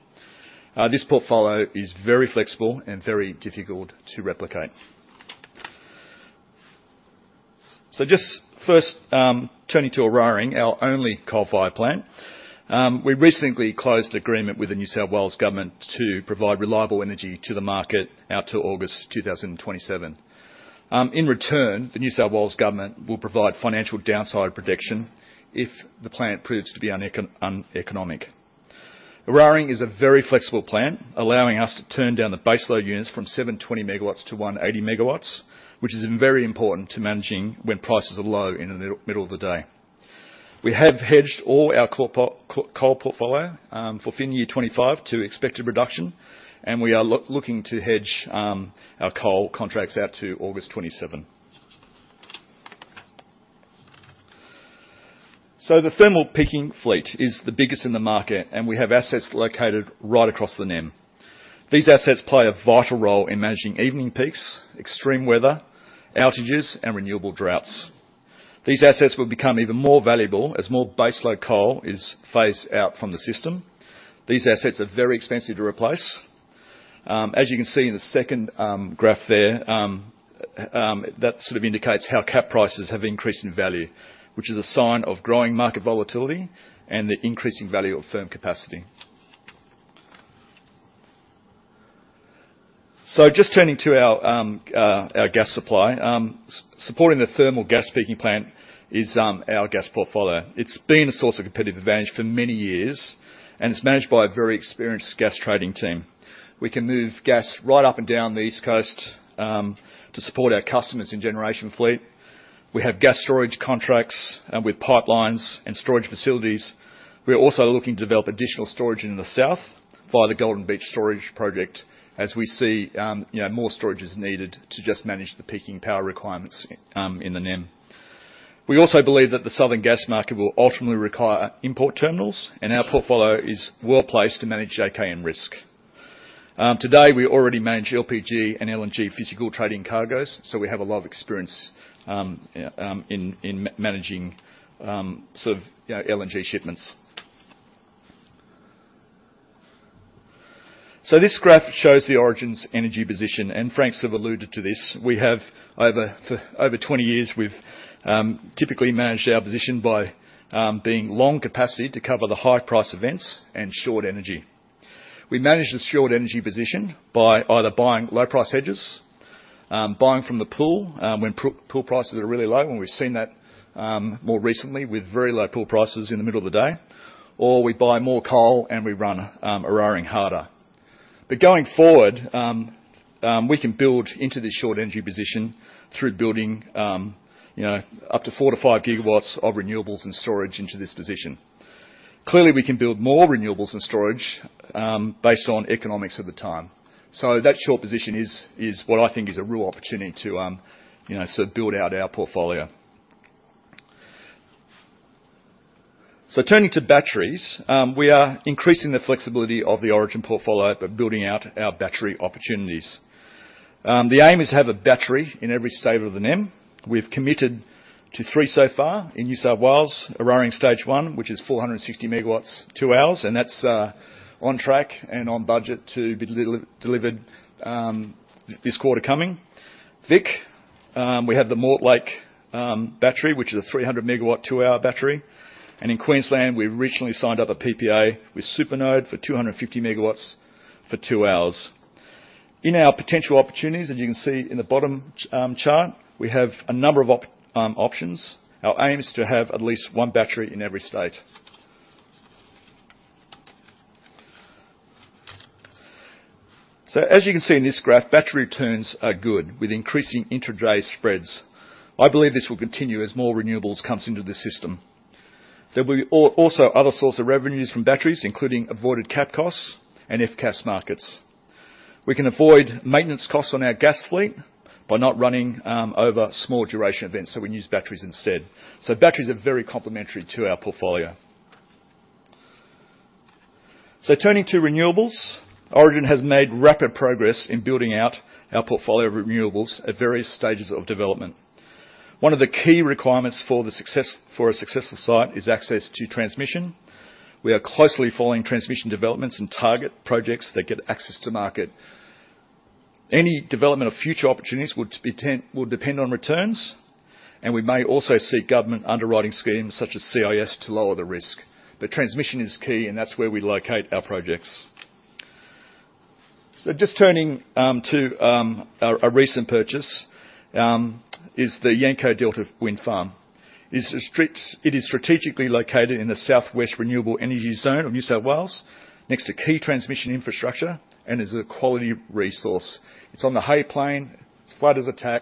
This portfolio is very flexible and very difficult to replicate. So just first, turning to Eraring, our only coal-fired plant. We recently closed agreement with the New South Wales government to provide reliable energy to the market out to August 2027. In return, the New South Wales government will provide financial downside protection if the plant proves to be uneconomic. Eraring is a very flexible plant, allowing us to turn down the baseload units from 720 MW to 180 MW, which is very important to managing when prices are low in the middle of the day. We have hedged all our coal portfolio for FY 2025 to expected production, and we are looking to hedge our coal contracts out to August 2027. So the thermal peaking fleet is the biggest in the market, and we have assets located right across the NEM. These assets play a vital role in managing evening peaks, extreme weather, outages, and renewable droughts. These assets will become even more valuable as more baseload coal is phased out from the system. These assets are very expensive to replace. As you can see in the second graph there, that sort of indicates how cap prices have increased in value, which is a sign of growing market volatility and the increasing value of firm capacity. So just turning to our gas supply. Supporting the thermal gas peaking plant is our gas portfolio. It's been a source of competitive advantage for many years, and it's managed by a very experienced gas trading team. We can move gas right up and down the East Coast to support our customers in generation fleet. We have gas storage contracts with pipelines and storage facilities. We are also looking to develop additional storage in the south via the Golden Beach Storage Project, as we see, you know, more storage is needed to just manage the peaking power requirements in the NEM. We also believe that the southern gas market will ultimately require import terminals, and our portfolio is well placed to manage JKM risk. Today, we already manage LPG and LNG physical trading cargoes, so we have a lot of experience in managing sort of yeah LNG shipments. So this graph shows the Origin's energy position, and Frank's sort of alluded to this. We have, for over 20 years, we've typically managed our position by being long capacity to cover the high-price events and short energy. We managed this short energy position by either buying low-price hedges, buying from the pool when pool prices are really low, and we've seen that more recently with very low pool prices in the middle of the day, or we buy more coal, and we run Eraring harder. But going forward, we can build into this short energy position through building, you know, up to 4-5 GW of renewables and storage into this position. Clearly, we can build more renewables and storage, based on economics at the time. So that short position is what I think is a real opportunity to, you know, sort of build out our portfolio. So turning to batteries, we are increasing the flexibility of the Origin portfolio by building out our battery opportunities. The aim is to have a battery in every state of the NEM. We've committed to three so far. In New South Wales, Eraring Stage One, which is 460 MW, two hours, and that's on track and on budget to be delivered this quarter coming. Vic, we have the Mortlake battery, which is a 300 MW, two-hour battery, and in Queensland, we've recently signed up a PPA with Supernode for 250 MW for two hours. In our potential opportunities, as you can see in the bottom chart, we have a number of options. Our aim is to have at least one battery in every state. So as you can see in this graph, battery returns are good, with increasing intraday spreads. I believe this will continue as more renewables comes into the system. There will be also other source of revenues from batteries, including avoided cap costs and FCAS markets. We can avoid maintenance costs on our gas fleet by not running over small duration events, so we use batteries instead. So batteries are very complementary to our portfolio. So turning to renewables, Origin has made rapid progress in building out our portfolio of renewables at various stages of development. One of the key requirements for a successful site is access to transmission. We are closely following transmission developments and target projects that get access to market. Any development of future opportunities would depend on returns, and we may also see government underwriting schemes, such as CIS, to lower the risk. But transmission is key, and that's where we locate our projects. So just turning to our recent purchase, the Yanco Delta Wind Farm. It is strategically located in the South West Renewable Energy Zone of New South Wales, next to key transmission infrastructure, and is a quality resource. It's on the high plain. It's flat as a tack,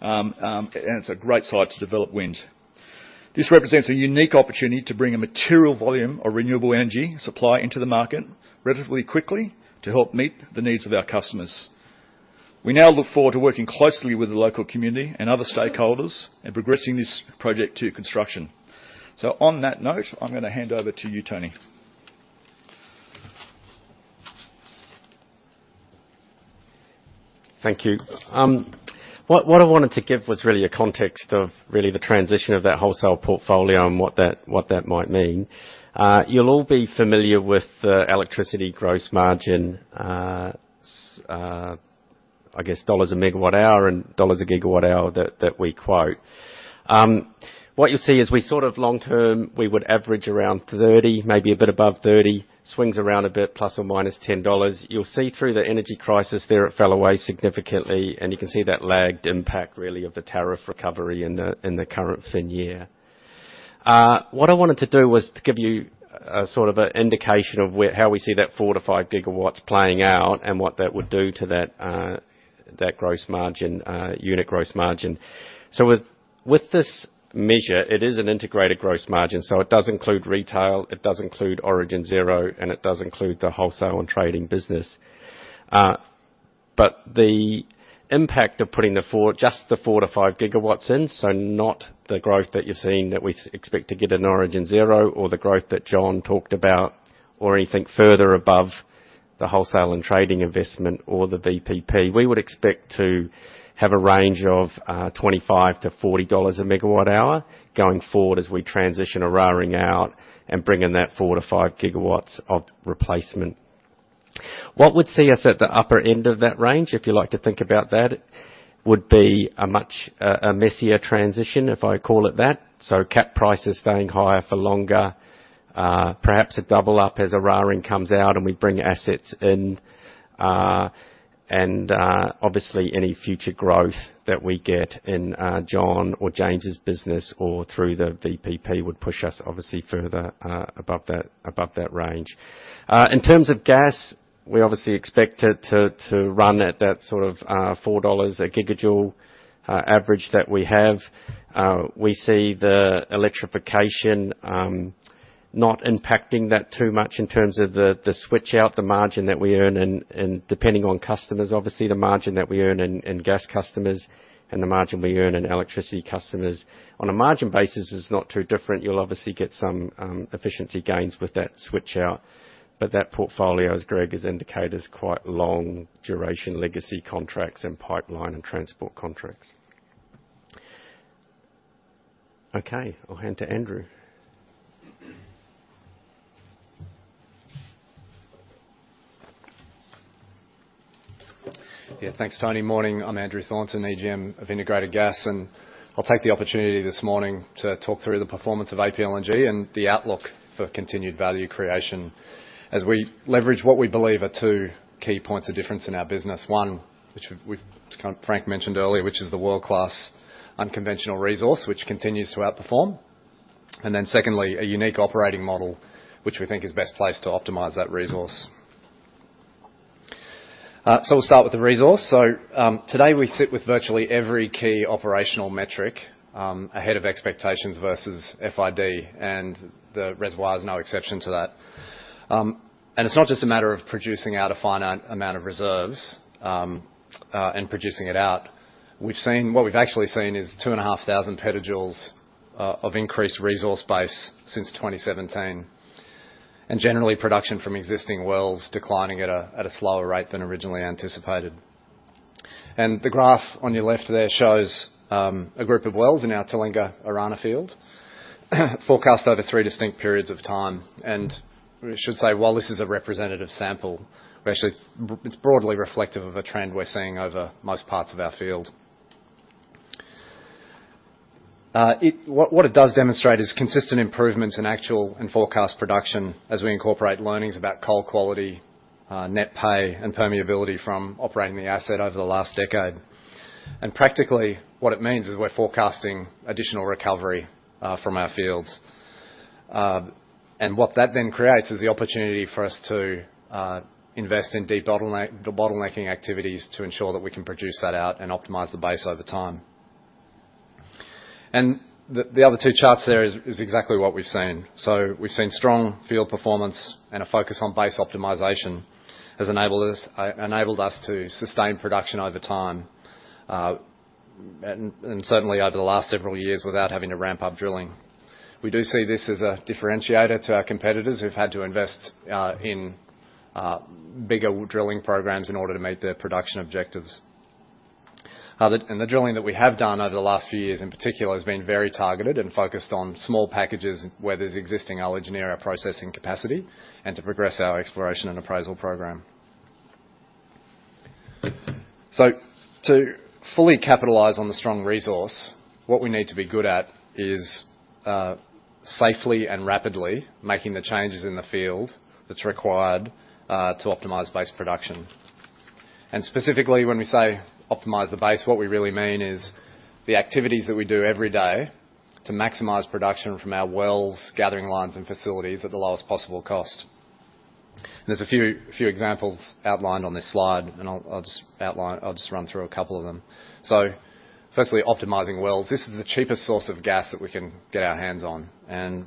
and it's a great site to develop wind. This represents a unique opportunity to bring a material volume of renewable energy supply into the market relatively quickly to help meet the needs of our customers. We now look forward to working closely with the local community and other stakeholders in progressing this project to construction. So on that note, I'm gonna hand over to you, Tony. Thank you. What I wanted to give was really a context of really the transition of that wholesale portfolio and what that might mean. You'll all be familiar with the electricity gross margin, I guess, dollars a megawatt hour and dollars a gigawatt hour that we quote. What you'll see is we sort of long term would average around 30, maybe a bit above 30, swings around a bit, ±10 dollars. You'll see through the energy crisis there, it fell away significantly, and you can see that lagged impact, really, of the tariff recovery in the current fin year. What I wanted to do was to give you a sort of an indication of where, how we see that 4 GW-5 GW playing out and what that would do to that gross margin, unit gross margin. So with this measure, it is an integrated gross margin, so it does include retail, it does include Origin Zero, and it does include the wholesale and trading business. But the impact of putting just the 4 GW-5 GW in, so not the growth that you're seeing that we expect to get in Origin Zero, or the growth that Jon talked about, or anything further above the wholesale and trading investment or the VPP. We would expect to have a range of $25-$40 MWh going forward as we transition Eraring out and bring in that 4 GW-5 GW of replacement. What would see us at the upper end of that range, if you like to think about that, would be a much, a messier transition, if I call it that. So cap prices staying higher for longer, perhaps a double up as Eraring comes out and we bring assets in. And, obviously, any future growth that we get in, Jon or James' business or through the VPP, would push us, obviously, further, above that, above that range. In terms of gas, we obviously expect it to, to run at that sort of, $4/GJ, average that we have. We see the electrification not impacting that too much in terms of the switch out, the margin that we earn, and depending on customers, obviously, the margin that we earn in gas customers and the margin we earn in electricity customers. On a margin basis, it's not too different. You'll obviously get some efficiency gains with that switch out, but that portfolio, as Greg has indicated, is quite long duration legacy contracts and pipeline and transport contracts. Okay, I'll hand to Andrew. Yeah, thanks, Tony. Morning, I'm Andrew Thornton, EGM of Integrated Gas, and I'll take the opportunity this morning to talk through the performance of APLNG and the outlook for continued value creation. As we leverage what we believe are two key points of difference in our business. One, which kind of Frank mentioned earlier, which is the world-class unconventional resource, which continues to outperform. And then secondly, a unique operating model, which we think is best placed to optimize that resource. So we'll start with the resource. So, today, we sit with virtually every key operational metric ahead of expectations versus FID, and the reservoir is no exception to that. And it's not just a matter of producing out a finite amount of reserves, and producing it out. What we've actually seen is 2,500 PJ of increased resource base since 2017, and generally, production from existing wells declining at a slower rate than originally anticipated. The graph on your left there shows a group of wells in our Talinga Orana field, forecast over three distinct periods of time. We should say, while this is a representative sample, actually, it's broadly reflective of a trend we're seeing over most parts of our field. What it does demonstrate is consistent improvements in actual and forecast production as we incorporate learnings about coal quality, net pay, and permeability from operating the asset over the last decade. Practically, what it means is we're forecasting additional recovery from our fields. And what that then creates is the opportunity for us to invest in debottleneck, the bottlenecking activities to ensure that we can produce that out and optimize the base over time. And the other two charts there is exactly what we've seen. So we've seen strong field performance and a focus on base optimization has enabled us to sustain production over time. And certainly over the last several years, without having to ramp up drilling. We do see this as a differentiator to our competitors, who've had to invest in bigger drilling programs in order to meet their production objectives. The drilling that we have done over the last few years, in particular, has been very targeted and focused on small packages where there's existing engineering or processing capacity, and to progress our exploration and appraisal program. So to fully capitalize on the strong resource, what we need to be good at is safely and rapidly making the changes in the field that's required to optimize base production. And specifically, when we say optimize the base, what we really mean is the activities that we do every day to maximize production from our wells, gathering lines, and facilities at the lowest possible cost. There's a few examples outlined on this slide, and I'll just run through a couple of them. So firstly, optimizing wells. This is the cheapest source of gas that we can get our hands on, and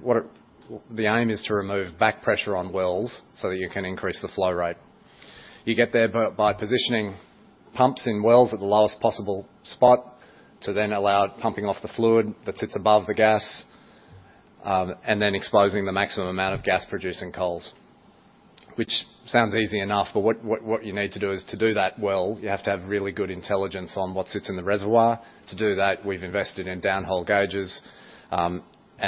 the aim is to remove back pressure on wells so that you can increase the flow rate. You get there by positioning pumps in wells at the lowest possible spot, to then allow it pumping off the fluid that sits above the gas, and then exposing the maximum amount of gas-producing coals. Which sounds easy enough, but what you need to do is to do that well, you have to have really good intelligence on what sits in the reservoir. To do that, we've invested in downhole gauges, and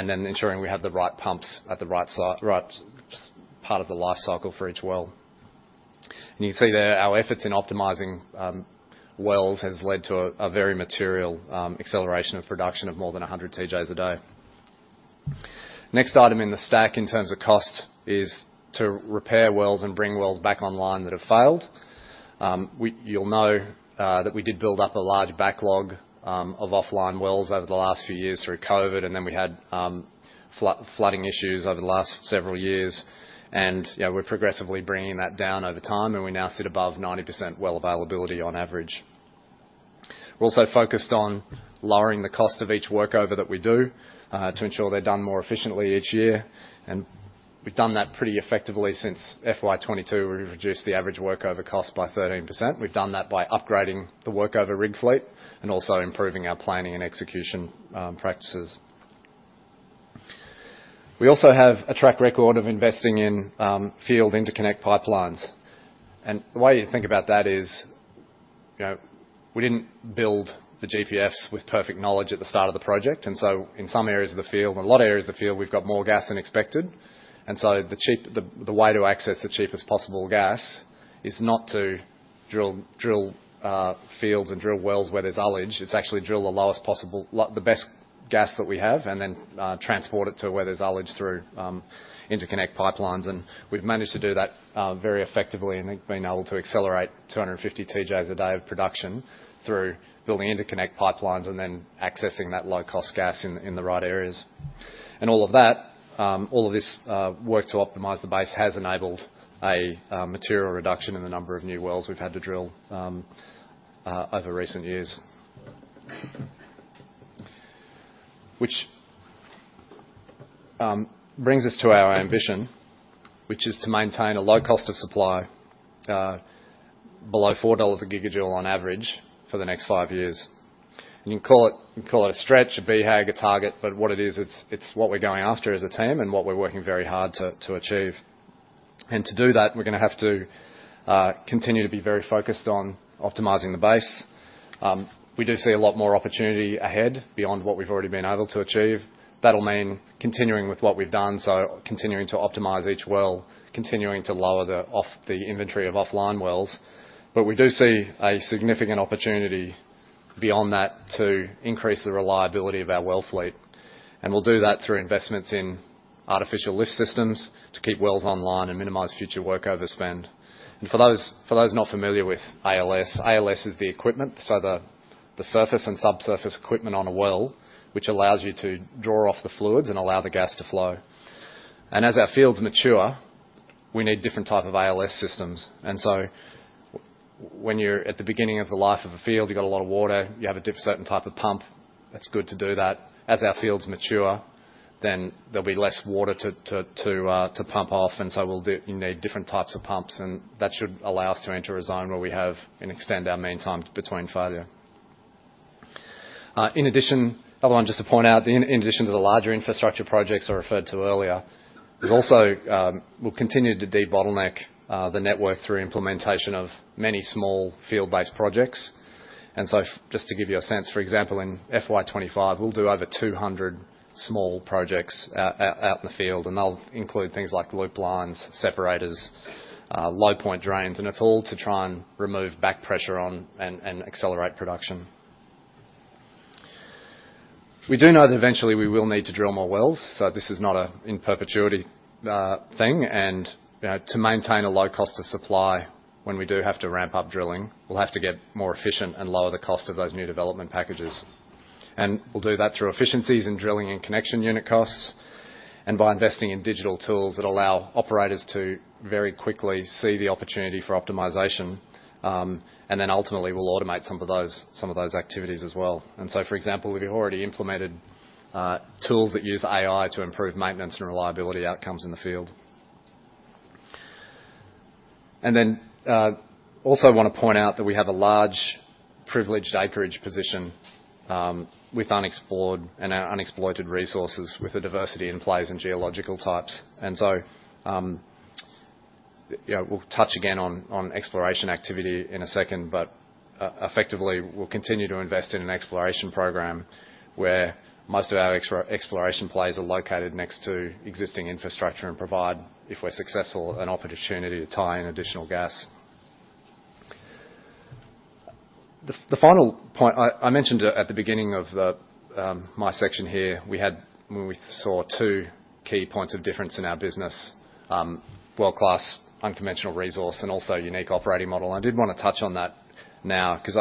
then ensuring we have the right pumps at the right site, right part of the life cycle for each well. You can see there, our efforts in optimizing wells has led to a very material acceleration of production of more than 100 TJs a day. Next item in the stack in terms of cost is to repair wells and bring wells back online that have failed. You'll know that we did build up a large backlog of offline wells over the last few years through COVID, and then we had flood, flooding issues over the last several years. Yeah, we're progressively bringing that down over time, and we now sit above 90% well availability on average. We're also focused on lowering the cost of each workover that we do to ensure they're done more efficiently each year, and we've done that pretty effectively since FY 2022. We've reduced the average workover cost by 13%. We've done that by upgrading the workover rig fleet and also improving our planning and execution practices. We also have a track record of investing in field interconnect pipelines. And the way to think about that is, you know, we didn't build the GPFs with perfect knowledge at the start of the project, and so in some areas of the field, in a lot of areas of the field, we've got more gas than expected. And so the way to access the cheapest possible gas is not to drill fields and drill wells where there's ullage. It's actually drill the lowest possible. Like, the best gas that we have, and then transport it to where there's ullage through interconnect pipelines. And we've managed to do that, very effectively, and we've been able to accelerate 250 TJs a day of production through building interconnect pipelines and then accessing that low-cost gas in, in the right areas. And all of that, all of this, work to optimize the base has enabled a, material reduction in the number of new wells we've had to drill, over recent years. Which, brings us to our ambition, which is to maintain a low cost of supply, below $4/GJ on average for the next five years. And you can call it, you can call it a stretch, a BHAG, a target, but what it is, it's, it's what we're going after as a team and what we're working very hard to, to achieve. And to do that, we're gonna have to continue to be very focused on optimizing the base. We do see a lot more opportunity ahead beyond what we've already been able to achieve. That'll mean continuing with what we've done, so continuing to optimize each well, continuing to lower the inventory of offline wells. But we do see a significant opportunity beyond that to increase the reliability of our well fleet, and we'll do that through investments in artificial lift systems to keep wells online and minimize future workover spend. And for those not familiar with ALS, ALS is the equipment, so the surface and subsurface equipment on a well, which allows you to draw off the fluids and allow the gas to flow. And as our fields mature, we need different type of ALS systems. When you're at the beginning of the life of a field, you got a lot of water, you have a different certain type of pump. That's good to do that. As our fields mature, then there'll be less water to pump off, and so we'll need different types of pumps, and that should allow us to enter a zone where we have and extend our mean time between failure. In addition, I want just to point out, in addition to the larger infrastructure projects I referred to earlier, there's also we'll continue to debottleneck the network through implementation of many small field-based projects. Just to give you a sense, for example, in FY 2025, we'll do over 200 small projects out in the field, and they'll include things like loop lines, separators, low point drains, and it's all to try and remove back pressure and accelerate production. We do know that eventually we will need to drill more wells, so this is not an in perpetuity thing. And, you know, to maintain a low cost of supply when we do have to ramp up drilling, we'll have to get more efficient and lower the cost of those new development packages. We'll do that through efficiencies in drilling and connection unit costs, and by investing in digital tools that allow operators to very quickly see the opportunity for optimization, and then ultimately we'll automate some of those, some of those activities as well. So, for example, we've already implemented tools that use AI to improve maintenance and reliability outcomes in the field. Then also want to point out that we have a large privileged acreage position with unexplored and unexploited resources with the diversity in plays and geological types. So, you know, we'll touch again on exploration activity in a second, but effectively, we'll continue to invest in an exploration program where most of our exploration plays are located next to existing infrastructure and provide, if we're successful, an opportunity to tie in additional gas. The final point I mentioned at the beginning of my section here, when we saw two key points of difference in our business, world-class unconventional resource and also unique operating model. I did want to touch on that now, because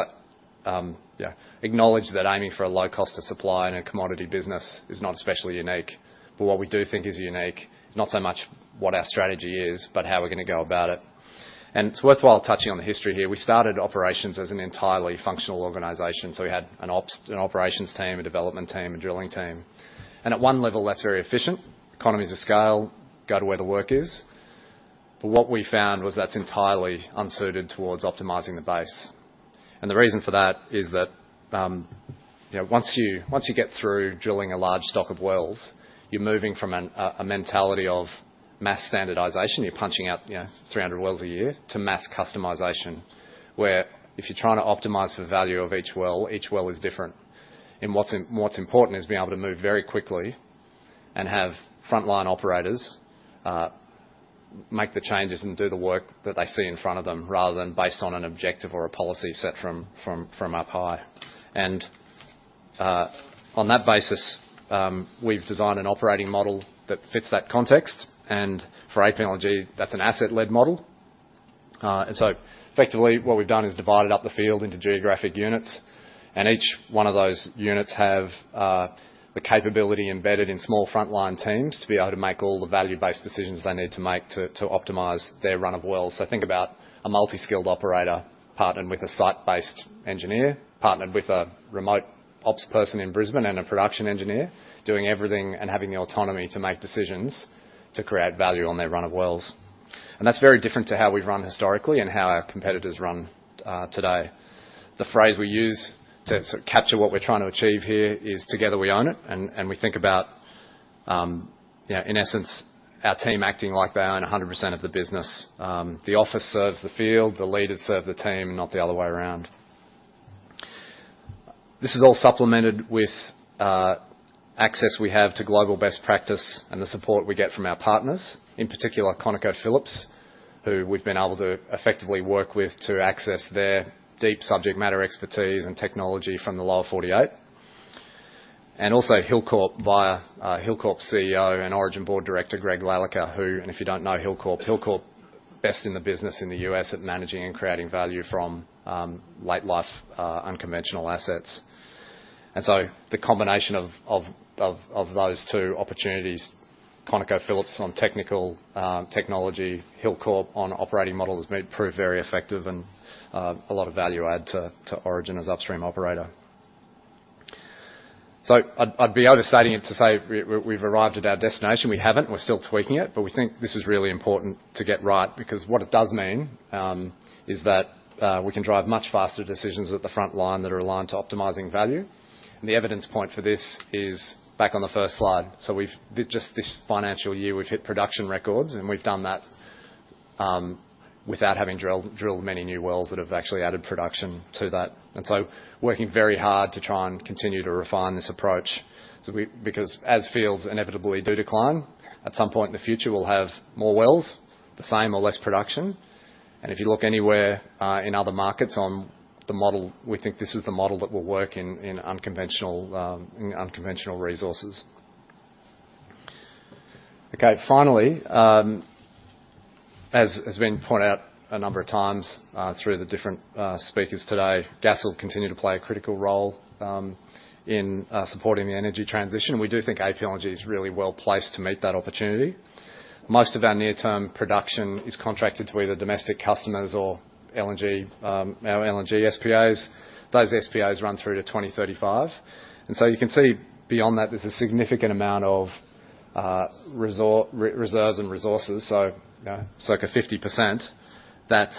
I acknowledge that aiming for a low cost of supply in a commodity business is not especially unique. But what we do think is unique is not so much what our strategy is, but how we're going to go about it. And it's worthwhile touching on the history here. We started operations as an entirely functional organization, so we had an ops team, a development team, a drilling team. And at one level, that's very efficient. Economies of scale go to where the work is. But what we found was that's entirely unsuited towards optimizing the base. And the reason for that is that, you know, once you get through drilling a large stock of wells, you're moving from a mentality of mass standardization. You're punching out, you know, 300 wells a year, to mass customization, where if you're trying to optimize the value of each well, each well is different. And what's important is being able to move very quickly and have frontline operators make the changes and do the work that they see in front of them, rather than based on an objective or a policy set from up high. And on that basis, we've designed an operating model that fits that context, and for APLNG, that's an asset-led model. And so effectively, what we've done is divided up the field into geographic units, and each one of those units have the capability embedded in small frontline teams to be able to make all the value-based decisions they need to make to optimize their run of wells. So think about a multi-skilled operator, partnered with a site-based engineer, partnered with a remote ops person in Brisbane, and a production engineer, doing everything and having the autonomy to make decisions to create value on their run of wells. And that's very different to how we've run historically and how our competitors run today. The phrase we use to sort of capture what we're trying to achieve here is, "Together we own it," and we think about, you know, in essence, our team acting like they own 100% of the business. The office serves the field, the leaders serve the team, not the other way around. This is all supplemented with access we have to global best practice and the support we get from our partners, in particular, ConocoPhillips, who we've been able to effectively work with to access their deep subject matter expertise and technology from the Lower 48. And also Hilcorp, via Hilcorp's CEO and Origin board director, Greg Lalicker, who... And if you don't know Hilcorp, Hilcorp, best in the business in the US at managing and creating value from late life unconventional assets. And so the combination of those two opportunities, ConocoPhillips on technical technology, Hilcorp on operating models, have been proved very effective and a lot of value add to Origin as upstream operator. So I'd be overstating it to say we we've arrived at our destination. We haven't. We're still tweaking it, but we think this is really important to get right, because what it does mean is that we can drive much faster decisions at the front line that are aligned to optimizing value. And the evidence point for this is back on the first slide. So we've just this financial year, we've hit production records, and we've done that without having drilled many new wells that have actually added production to that. And so we're working very hard to try and continue to refine this approach. So because as fields inevitably do decline, at some point in the future, we'll have more wells, the same or less production. If you look anywhere in other markets on the model, we think this is the model that will work in unconventional resources. Okay, finally, as has been pointed out a number of times through the different speakers today, gas will continue to play a critical role in supporting the energy transition, and we do think APLNG is really well-placed to meet that opportunity. Most of our near-term production is contracted to either domestic customers or LNG, our LNG SPAs. Those SPAs run through to 2035, and so you can see beyond that, there's a significant amount of reserves and resources, so it's like a 50% that,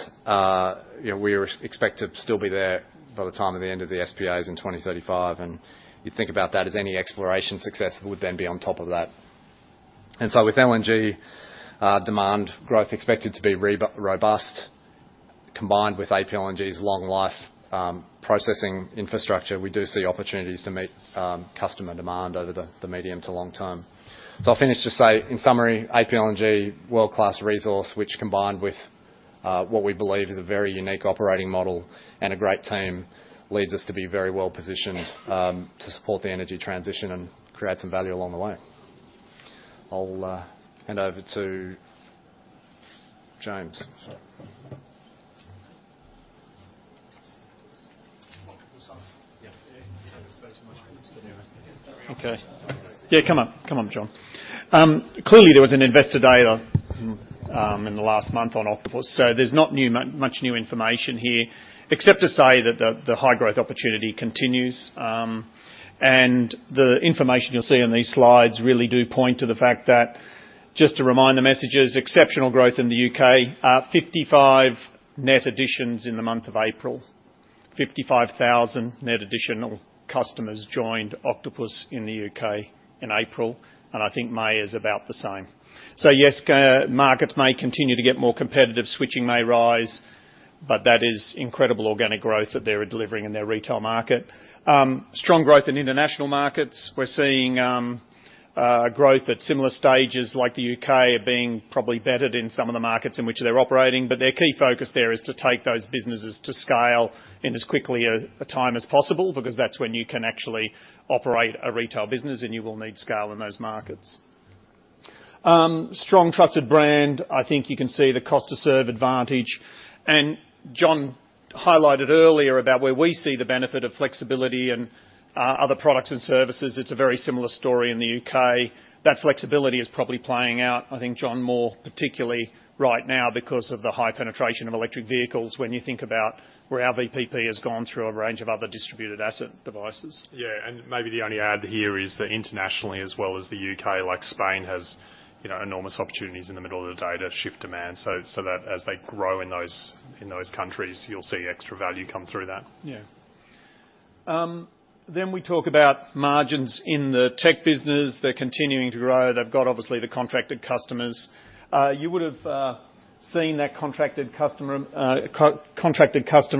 you know, we expect to still be there by the time of the end of the SPAs in 2035. You think about that as any exploration success would then be on top of that. With LNG demand growth expected to be robust, combined with APLNG's long life processing infrastructure, we do see opportunities to meet customer demand over the medium to long term. I'll finish to say, in summary, APLNG, world-class resource, which combined with what we believe is a very unique operating model and a great team, leads us to be very well-positioned to support the energy transition and create some value along the way. I'll hand over to James. Sure. Octopus U.S. Yeah. So much- Yeah. Okay. Yeah, come up, come up, Jon. Clearly, there was an investor day in the last month on Octopus, so there's not much new information here, except to say that the high growth opportunity continues. And the information you'll see on these slides really do point to the fact that, just to remind, the message is exceptional growth in the UK. 55 net additions in the month of April. 55,000 net additional customers joined Octopus in the UK in April, and I think May is about the same. So yes, markets may continue to get more competitive, switching may rise, but that is incredible organic growth that they are delivering in their retail market. Strong growth in international markets. We're seeing growth at similar stages, like the UK, are being probably bettered in some of the markets in which they're operating, but their key focus there is to take those businesses to scale in as quickly as possible, because that's when you can actually operate a retail business, and you will need scale in those markets. Strong trusted brand, I think you can see the cost to serve advantage, and Jon highlighted earlier about where we see the benefit of flexibility and other products and services. It's a very similar story in the UK. That flexibility is probably playing out, I think, Jon, more particularly right now because of the high penetration of electric vehicles when you think about where our VPP has gone through a range of other distributed asset devices. Yeah, and maybe the only add here is that internationally, as well as the UK, like Spain, has, you know, enormous opportunities in the middle of the day to shift demand. So, that as they grow in those countries, you'll see extra value come through that. Yeah. Then we talk about margins in the tech business. They're continuing to grow. They've got, obviously, the contracted customers. You would've seen that contracted customer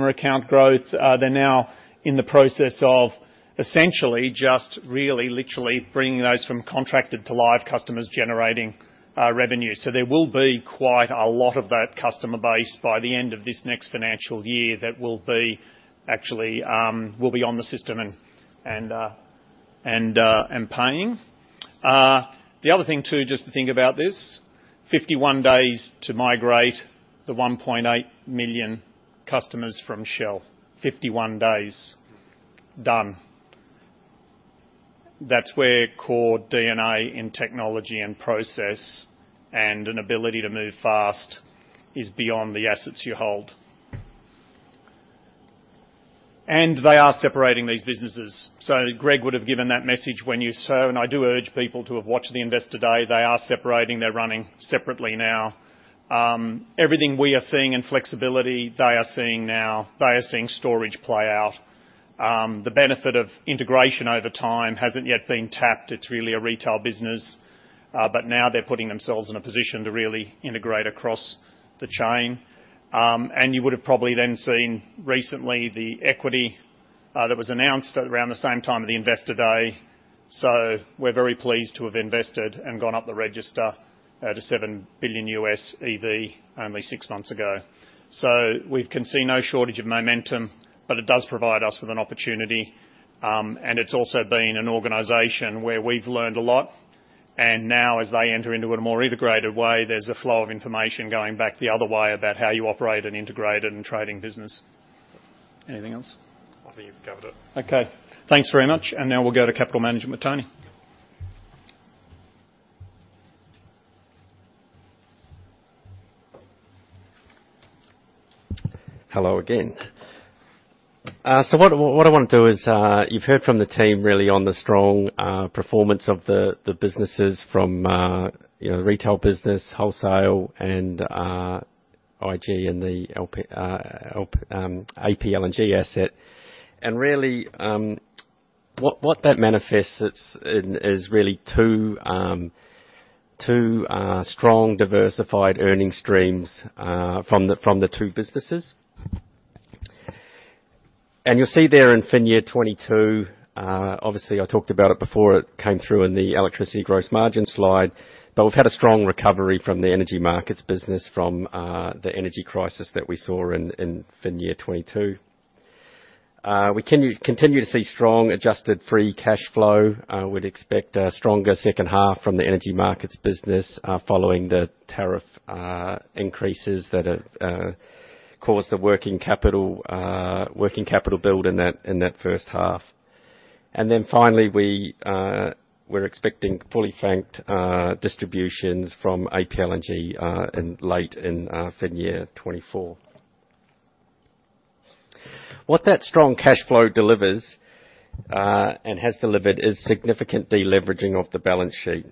account growth. They're now in the process of essentially just really literally bringing those from contracted to live customers generating revenue. So there will be quite a lot of that customer base by the end of this next financial year that will be actually on the system and paying. The other thing, too, just to think about this, 51 days to migrate the 1.8 million customers from Shell. 51 days, done. That's where core DNA in technology and process, and an ability to move fast is beyond the assets you hold. And they are separating these businesses. So Greg would have given that message when you saw, and I do urge people to have watched the Investor Day. They are separating, they're running separately now. Everything we are seeing in flexibility, they are seeing now. They are seeing storage play out. The benefit of integration over time hasn't yet been tapped. It's really a retail business, but now they're putting themselves in a position to really integrate across the chain. And you would have probably then seen recently the equity that was announced at around the same time of the Investor Day. So we're very pleased to have invested and gone up the register to $7 billion EV only six months ago. So we can see no shortage of momentum, but it does provide us with an opportunity. It's also been an organization where we've learned a lot, and now as they enter into a more integrated way, there's a flow of information going back the other way about how you operate an integrated and trading business. Anything else? I think you've covered it. Okay. Thanks very much. And now we'll go to capital management, Tony. Hello again. So what I wanna do is, you've heard from the team really on the strong performance of the businesses from, you know, the retail business, wholesale, and IG, and the LP, LP, APLNG asset. And really, what that manifests it's in, is really two, two strong diversified earning streams from the two businesses. And you'll see there in FY 2022, obviously, I talked about it before it came through in the electricity gross margin slide, but we've had a strong recovery from the Energy Markets business from the energy crisis that we saw in FY 2022. We continue to see strong adjusted free cash flow. We'd expect a stronger second half from the Energy Markets business, following the tariff increases that have caused the working capital build in that first half. And then finally, we're expecting fully franked distributions from APLNG in late FY 2024. What that strong cash flow delivers and has delivered is significant deleveraging of the balance sheet,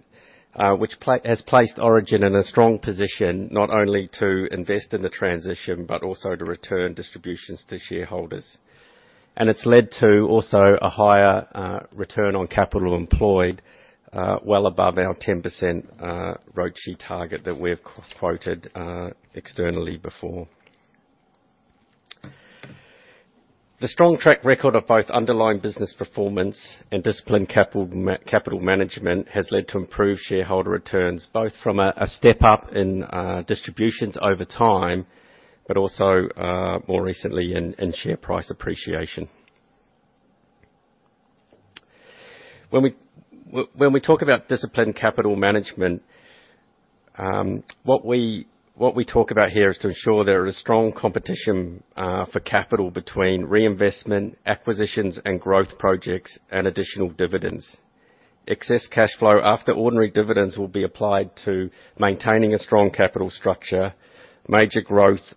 which has placed Origin in a strong position, not only to invest in the transition, but also to return distributions to shareholders. And it's led to also a higher return on capital employed, well above our 10% ROCE target that we have quoted externally before. The strong track record of both underlying business performance and disciplined capital management has led to improved shareholder returns, both from a step up in distributions over time, but also more recently in share price appreciation. When we talk about disciplined capital management, what we talk about here is to ensure there is strong competition for capital between reinvestment, acquisitions, and growth projects, and additional dividends. Excess cash flow after ordinary dividends will be applied to maintaining a strong capital structure, major growth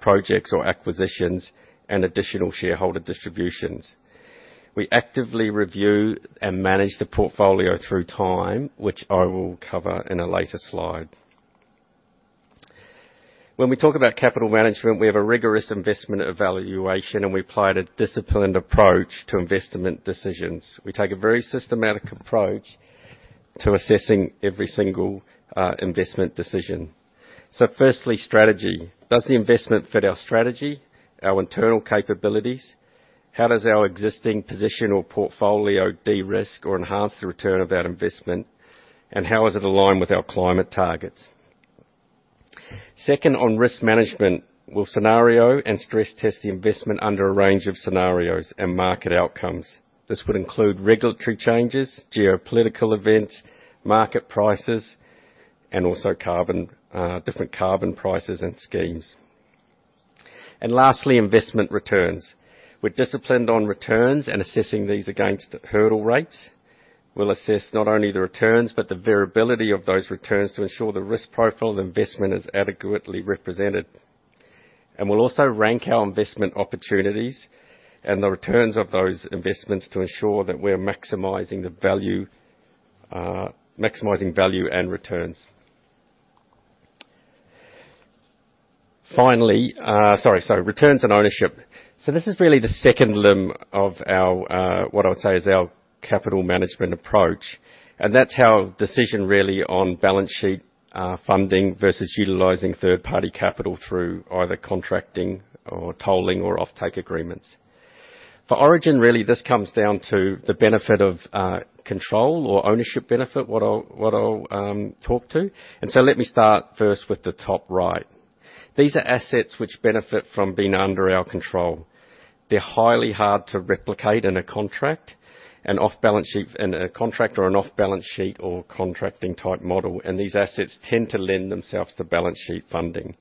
projects or acquisitions, and additional shareholder distributions. We actively review and manage the portfolio through time, which I will cover in a later slide. When we talk about capital management, we have a rigorous investment evaluation, and we applied a disciplined approach to investment decisions. We take a very systematic approach to assessing every single investment decision. So firstly, strategy. Does the investment fit our strategy, our internal capabilities? How does our existing position or portfolio de-risk or enhance the return of that investment? And how is it aligned with our climate targets? Second, on risk management, we'll scenario and stress test the investment under a range of scenarios and market outcomes. This would include regulatory changes, geopolitical events, market prices, and also carbon, different carbon prices and schemes. And lastly, investment returns. We're disciplined on returns and assessing these against hurdle rates. We'll assess not only the returns, but the variability of those returns to ensure the risk profile of the investment is adequately represented. And we'll also rank our investment opportunities and the returns of those investments to ensure that we're maximizing the value, maximizing value and returns. Finally, sorry, so returns on ownership. So this is really the second limb of our what I would say is our capital management approach, and that's how decision really on balance sheet funding versus utilizing third-party capital through either contracting or tolling or offtake agreements. For Origin, really, this comes down to the benefit of control or ownership benefit, what I'll talk to. And so let me start first with the top right. These are assets which benefit from being under our control. They're highly hard to replicate in a contract, an off-balance sheet, in a contract or an off-balance sheet or contracting-type model, and these assets tend to lend themselves to balance sheet funding.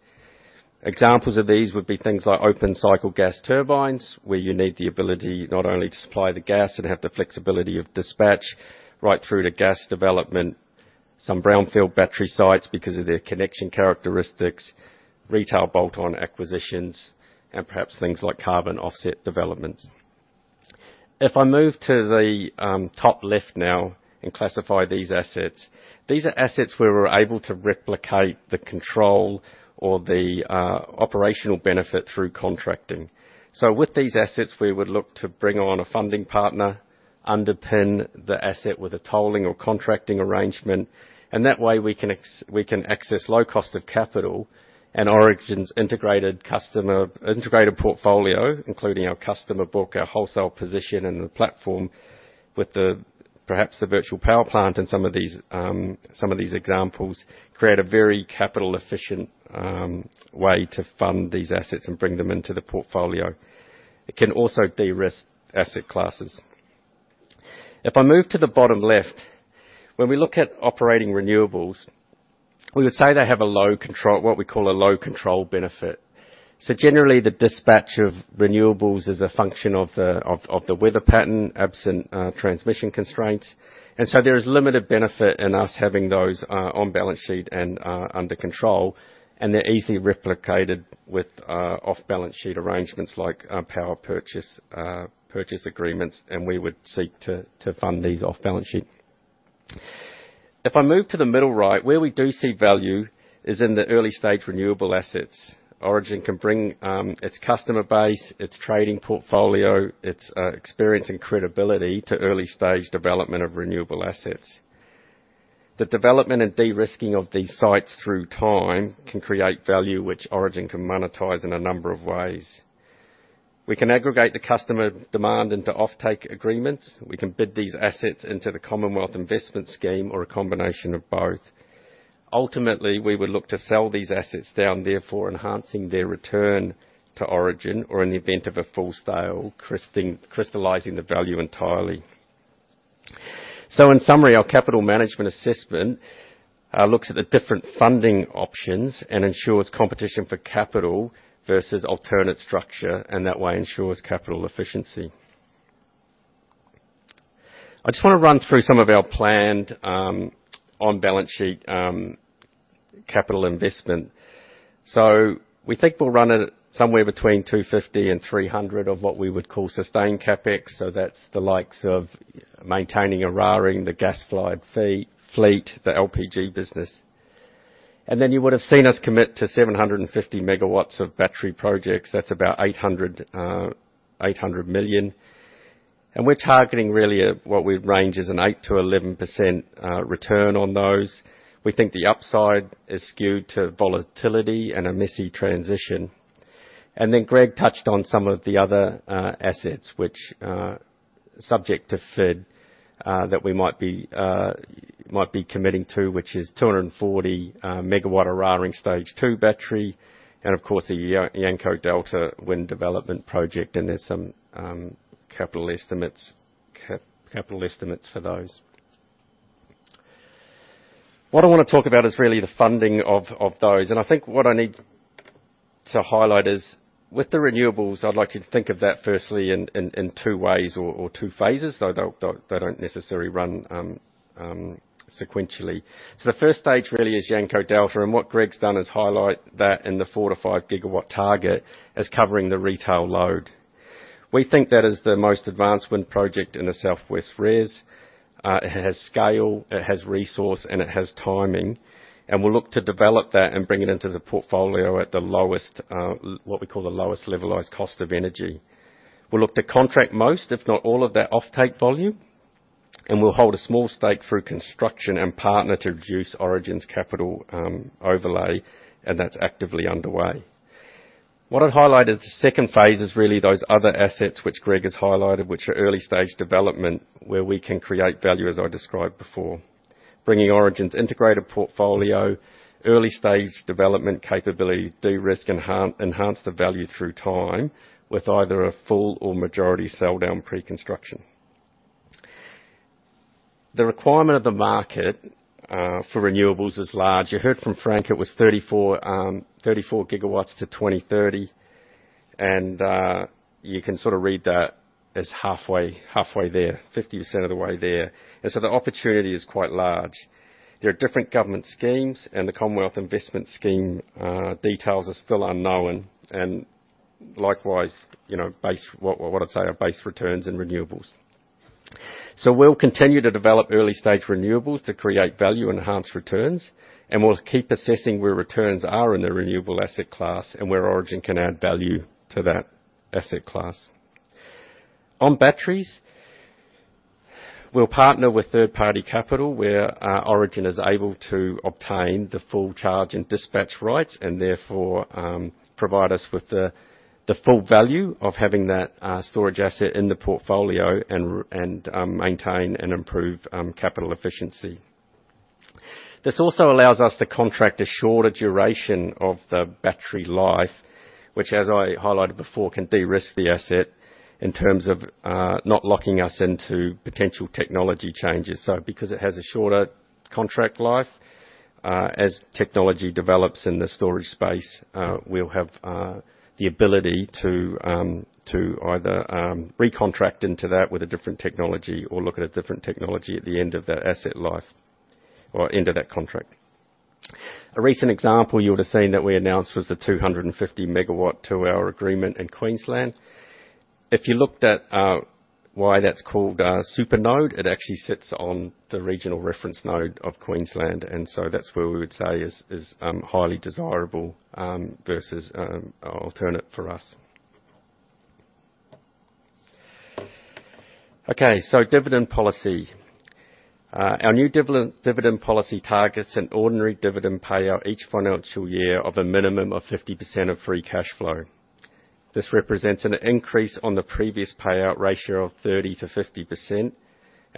Examples of these would be things like open-cycle gas turbines, where you need the ability not only to supply the gas and have the flexibility of dispatch, right through to gas development, some brownfield battery sites because of their connection characteristics, retail bolt-on acquisitions, and perhaps things like carbon offset developments. If I move to the top left now and classify these assets, these are assets where we're able to replicate the control or the operational benefit through contracting. So with these assets, we would look to bring on a funding partner, underpin the asset with a tolling or contracting arrangement, and that way, we can access low cost of capital and Origin's integrated customer, integrated portfolio, including our customer book, our wholesale position in the platform, with the, perhaps, the virtual power plant and some of these, some of these examples, create a very capital-efficient, way to fund these assets and bring them into the portfolio. It can also de-risk asset classes. If I move to the bottom left, when we look at operating renewables, we would say they have a low control, what we call a low control benefit. So generally, the dispatch of renewables is a function of the weather pattern, absent transmission constraints. There is limited benefit in us having those on balance sheet and under control, and they're easily replicated with off-balance sheet arrangements like power purchase agreements, and we would seek to fund these off balance sheet. If I move to the middle right, where we do see value is in the early-stage renewable assets. Origin can bring its customer base, its trading portfolio, its experience and credibility to early-stage development of renewable assets. The development and de-risking of these sites through time can create value, which Origin can monetize in a number of ways. We can aggregate the customer demand into offtake agreements. We can bid these assets into the Capacity Investment Scheme or a combination of both. Ultimately, we would look to sell these assets down, therefore enhancing their return to Origin, or in the event of a full sale, crystallizing the value entirely. So in summary, our capital management assessment looks at the different funding options and ensures competition for capital versus alternate structure, and that way ensures capital efficiency. I just want to run through some of our planned on-balance sheet capital investment. So we think we'll run it somewhere between 250 million and 300 million of what we would call sustained CapEx, so that's the likes of maintaining Eraring, the gas-fired fleet, the LPG business. And then you would have seen us commit to 750 MW of battery projects. That's about 800 million. And we're targeting really what we'd range as an 8%-11% return on those. We think the upside is skewed to volatility and a messy transition. And then Greg touched on some of the other assets, which, subject to FID, that we might be committing to, which is 240 MW Eraring Stage Two battery, and of course, the Yanco Delta Wind Development project, and there's some capital estimates for those. What I want to talk about is really the funding of those, and I think what I need to highlight is, with the renewables, I'd like you to think of that firstly in two ways or two phases, though they'll, they don't necessarily run sequentially. So the first stage really is Yanco Delta, and what Greg's done is highlight that in the 4-5 GW target as covering the retail load. We think that is the most advanced wind project in the South West REZ. It has scale, it has resource, and it has timing, and we'll look to develop that and bring it into the portfolio at the lowest, what we call the lowest levelized cost of energy. We'll look to contract most, if not all, of that offtake volume, and we'll hold a small stake through construction and partner to reduce Origin's capital overlay, and that's actively underway. What I've highlighted, the second phase is really those other assets, which Greg has highlighted, which are early stage development, where we can create value, as I described before. Bringing Origin's integrated portfolio, early-stage development capability, de-risk, enhance the value through time with either a full or majority sell-down pre-construction. The requirement of the market for renewables is large. You heard from Frank, it was 34, 34 GW to 2030, and you can sort of read that as halfway, halfway there, 50% of the way there. So the opportunity is quite large. There are different government schemes, and the Capacity Investment Scheme, details are still unknown, and likewise, you know, what I'd say are base returns and renewables. So we'll continue to develop early-stage renewables to create value and enhance returns, and we'll keep assessing where returns are in the renewable asset class and where Origin can add value to that asset class. On batteries, we'll partner with third-party capital, where Origin is able to obtain the full charge and dispatch rights, and therefore provide us with the full value of having that storage asset in the portfolio and maintain and improve capital efficiency. This also allows us to contract a shorter duration of the battery life, which, as I highlighted before, can de-risk the asset in terms of not locking us into potential technology changes. So because it has a shorter contract life, as technology develops in the storage space, we'll have the ability to either recontract into that with a different technology or look at a different technology at the end of that asset life or end of that contract. A recent example you would have seen that we announced was the 250 MW 2-hour agreement in Queensland. If you looked at why that's called Supernode, it actually sits on the regional reference node of Queensland, and so that's where we would say is highly desirable versus alternate for us. Okay, so dividend policy. Our new dividend policy targets an ordinary dividend payout each financial year of a minimum of 50% of free cash flow. This represents an increase on the previous payout ratio of 30%-50%, and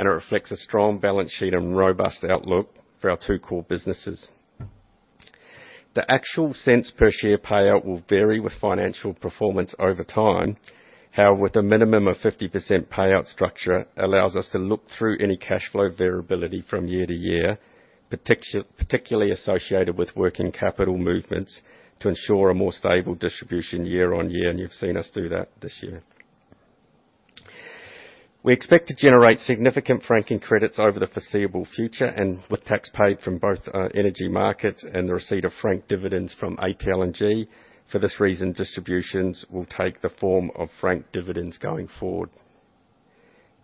it reflects a strong balance sheet and robust outlook for our two core businesses. The actual cents per share payout will vary with financial performance over time. However, with a minimum of 50% payout structure, allows us to look through any cash flow variability from year to year, particularly associated with working capital movements, to ensure a more stable distribution year on year, and you've seen us do that this year. We expect to generate significant franking credits over the foreseeable future, and with tax paid from both Energy Markets and the receipt of franked dividends from APLNG. For this reason, distributions will take the form of franked dividends going forward.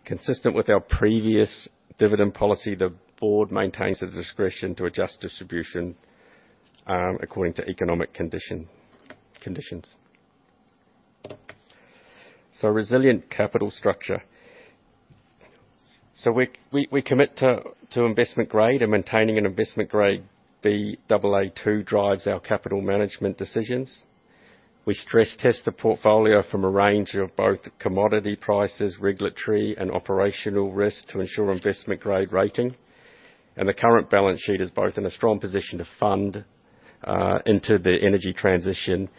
Consistent with our previous dividend policy, the board maintains the discretion to adjust distribution according to economic conditions. So resilient capital structure. So we commit to investment grade and maintaining an investment grade. Baa2 drives our capital management decisions. We stress-test the portfolio from a range of both commodity prices, regulatory, and operational risk to ensure investment-grade rating. The current balance sheet is both in a strong position to fund into the energy transition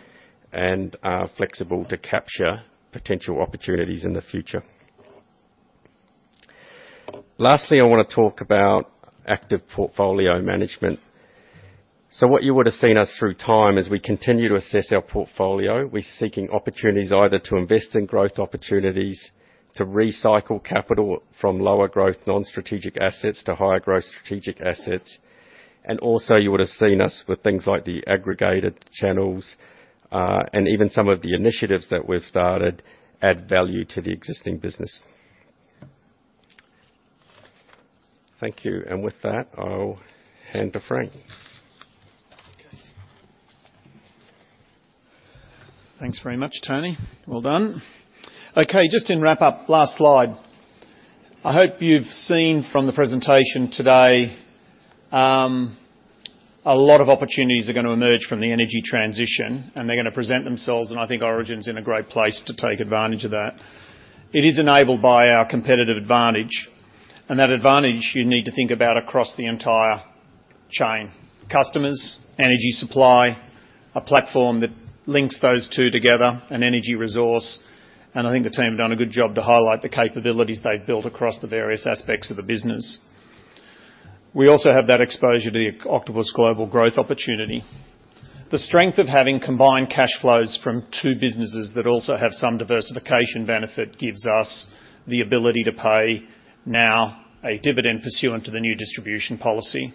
and flexible to capture potential opportunities in the future. Lastly, I wanna talk about active portfolio management. What you would have seen us through time, as we continue to assess our portfolio, we're seeking opportunities either to invest in growth opportunities, to recycle capital from lower growth, non-strategic assets to higher growth strategic assets. Also, you would have seen us with things like the aggregated channels and even some of the initiatives that we've started add value to the existing business. Thank you, and with that, I'll hand to Frank. Thanks very much, Tony. Well done. Okay, just in wrap up, last slide. I hope you've seen from the presentation today, a lot of opportunities are gonna emerge from the energy transition, and they're gonna present themselves, and I think Origin's in a great place to take advantage of that. It is enabled by our competitive advantage, and that advantage you need to think about across the entire chain: customers, energy supply, a platform that links those two together, an energy resource, and I think the team have done a good job to highlight the capabilities they've built across the various aspects of the business. We also have that exposure to the Octopus Global growth opportunity. The strength of having combined cash flows from two businesses that also have some diversification benefit, gives us the ability to pay now a dividend pursuant to the new distribution policy,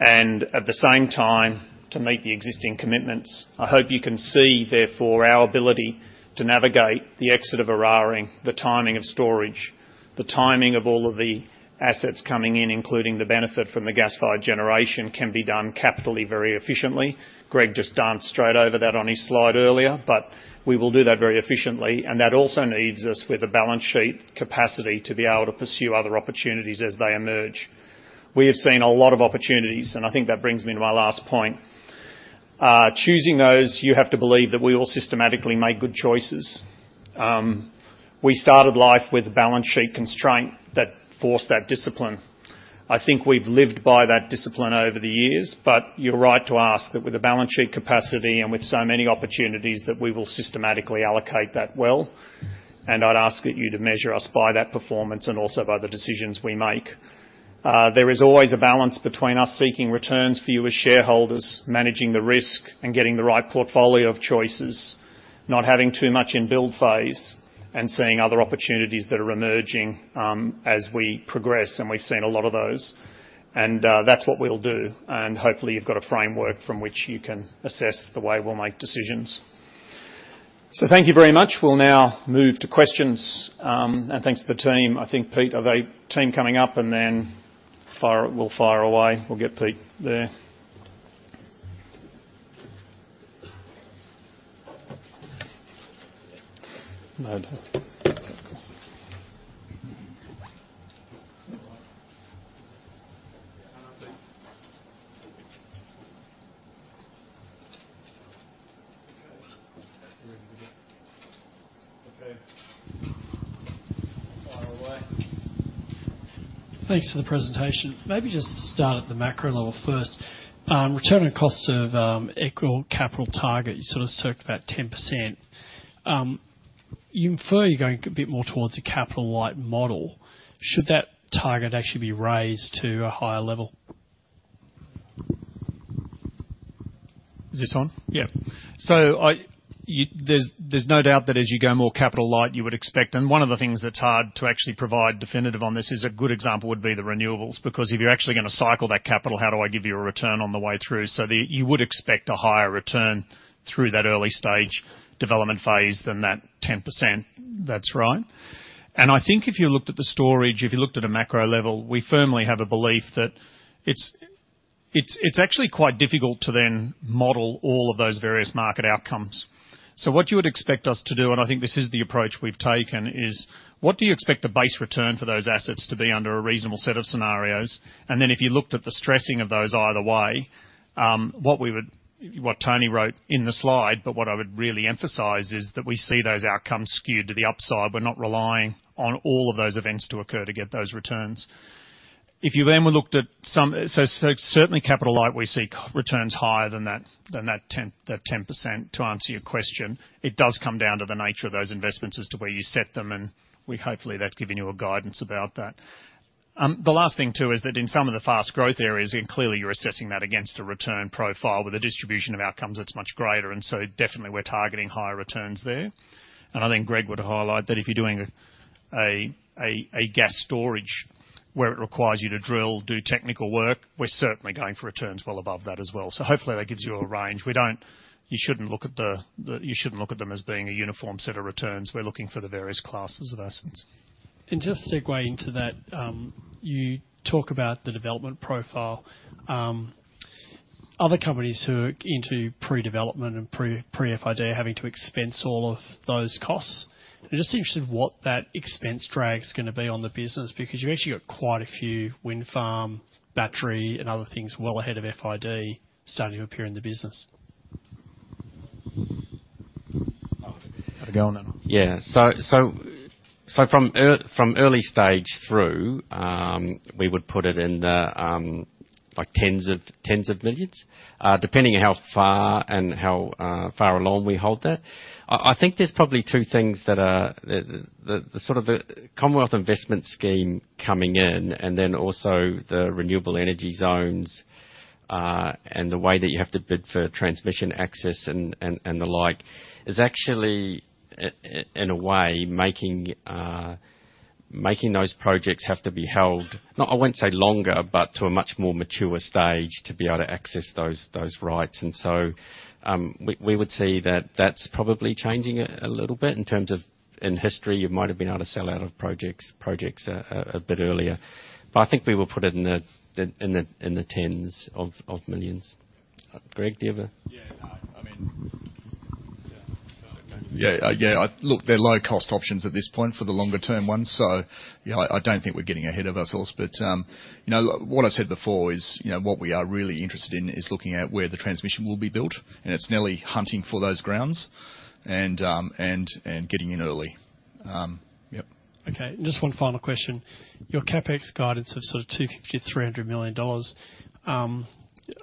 and at the same time, to meet the existing commitments. I hope you can see, therefore, our ability to navigate the exit of Eraring, the timing of storage, the timing of all of the assets coming in, including the benefit from the gas-fired generation, can be done capitally very efficiently. Greg just danced straight over that on his slide earlier, but we will do that very efficiently, and that also leaves us with a balance sheet capacity to be able to pursue other opportunities as they emerge. We have seen a lot of opportunities, and I think that brings me to my last point. Choosing those, you have to believe that we will systematically make good choices. We started life with a balance sheet constraint that forced that discipline. I think we've lived by that discipline over the years, but you're right to ask that with the balance sheet capacity and with so many opportunities, that we will systematically allocate that well, and I'd ask that you to measure us by that performance and also by the decisions we make. There is always a balance between us seeking returns for you as shareholders, managing the risk, and getting the right portfolio of choices, not having too much in build phase, and seeing other opportunities that are emerging, as we progress, and we've seen a lot of those. That's what we'll do, and hopefully, you've got a framework from which you can assess the way we'll make decisions.... So thank you very much. We'll now move to questions, and thanks to the team. I think, Pete, is the team coming up, and then we'll fire away. We'll get Pete there. No doubt. Okay. Fire away. Thanks for the presentation. Maybe just start at the macro level first. Return on cost of equity or capital target, you sort of circled about 10%. You infer you're going a bit more towards a capital-light model. Should that target actually be raised to a higher level? Is this on? Yeah. So, you-- there's no doubt that as you go more capital light, you would expect, and one of the things that's hard to actually provide definitive on this is, a good example would be the renewables. Because if you're actually gonna cycle that capital, how do I give you a return on the way through? So, you would expect a higher return through that early stage development phase than that 10%. That's right. And I think if you looked at the storage, if you looked at a macro level, we firmly have a belief that it's actually quite difficult to then model all of those various market outcomes. So what you would expect us to do, and I think this is the approach we've taken, is: what do you expect the base return for those assets to be under a reasonable set of scenarios? And then, if you looked at the stressing of those either way, what we would—what Tony wrote in the slide, but what I would really emphasize, is that we see those outcomes skewed to the upside. We're not relying on all of those events to occur to get those returns. If you then looked at some—so certainly capital light, we see returns higher than that, than that 10, that 10% to answer your question. It does come down to the nature of those investments as to where you set them, and we hopefully that's given you a guidance about that. The last thing, too, is that in some of the fast growth areas, and clearly you're assessing that against a return profile with the distribution of outcomes, it's much greater, and so definitely we're targeting higher returns there. And I think Greg would highlight that if you're doing a gas storage where it requires you to drill, do technical work, we're certainly going for returns well above that as well. So hopefully that gives you a range. We don't-- You shouldn't look at the, you shouldn't look at them as being a uniform set of returns. We're looking for the various classes of assets. Just segue into that, you talk about the development profile. Other companies who are into pre-development and pre, pre-FID are having to expense all of those costs. I'm just interested what that expense drag is gonna be on the business, because you've actually got quite a few wind farm, battery, and other things well ahead of FID starting to appear in the business. Oh, go on, then. Yeah. So from early stage through, we would put it in the like tens of millions, depending on how far and how far along we hold that. I think there's probably two things that are. The sort of the Capacity Investment Scheme coming in, and then also the renewable energy zones, and the way that you have to bid for transmission access and the like, is actually in a way making those projects have to be held, not I wouldn't say longer, but to a much more mature stage to be able to access those rights. And so, we would see that that's probably changing a little bit in terms of, in history, you might have been able to sell out of projects a bit earlier. But I think we will put it in the tens of millions. Greg, do you have a- Yeah, I mean, yeah. Yeah, yeah, I... Look, they're low-cost options at this point for the longer term ones, so, yeah, I don't think we're getting ahead of ourselves. But, you know, what I said before is, you know, what we are really interested in is looking at where the transmission will be built, and it's nearly hunting for those grounds and getting in early. Yep. Okay, just one final question. Your CapEx guidance of sort of 250 million-300 million dollars,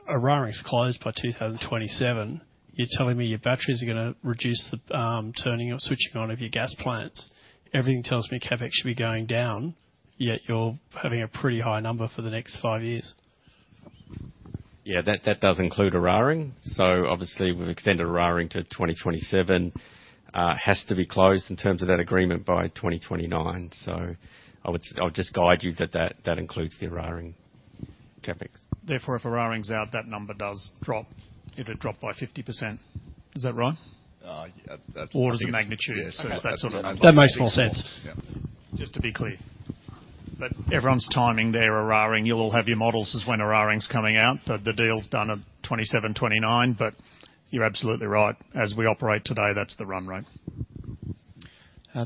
Eraring's closed by 2027. You're telling me your batteries are gonna reduce the, turning or switching on of your gas plants. Everything tells me CapEx should be going down, yet you're having a pretty high number for the next five years. Yeah, that does include Eraring. So obviously, we've extended Eraring to 2027. Has to be closed in terms of that agreement by 2029. So I would just guide you that that includes the Eraring CapEx. Therefore, if Eraring's out, that number does drop. It would drop by 50%. Is that right? Yeah, that's- Or just the magnitude of that sort of number. That makes more sense. Yeah. Just to be clear, but everyone's timing their Eraring. You'll all have your models as when Eraring's coming out. The deal's done at 27-29, but you're absolutely right. As we operate today, that's the run rate.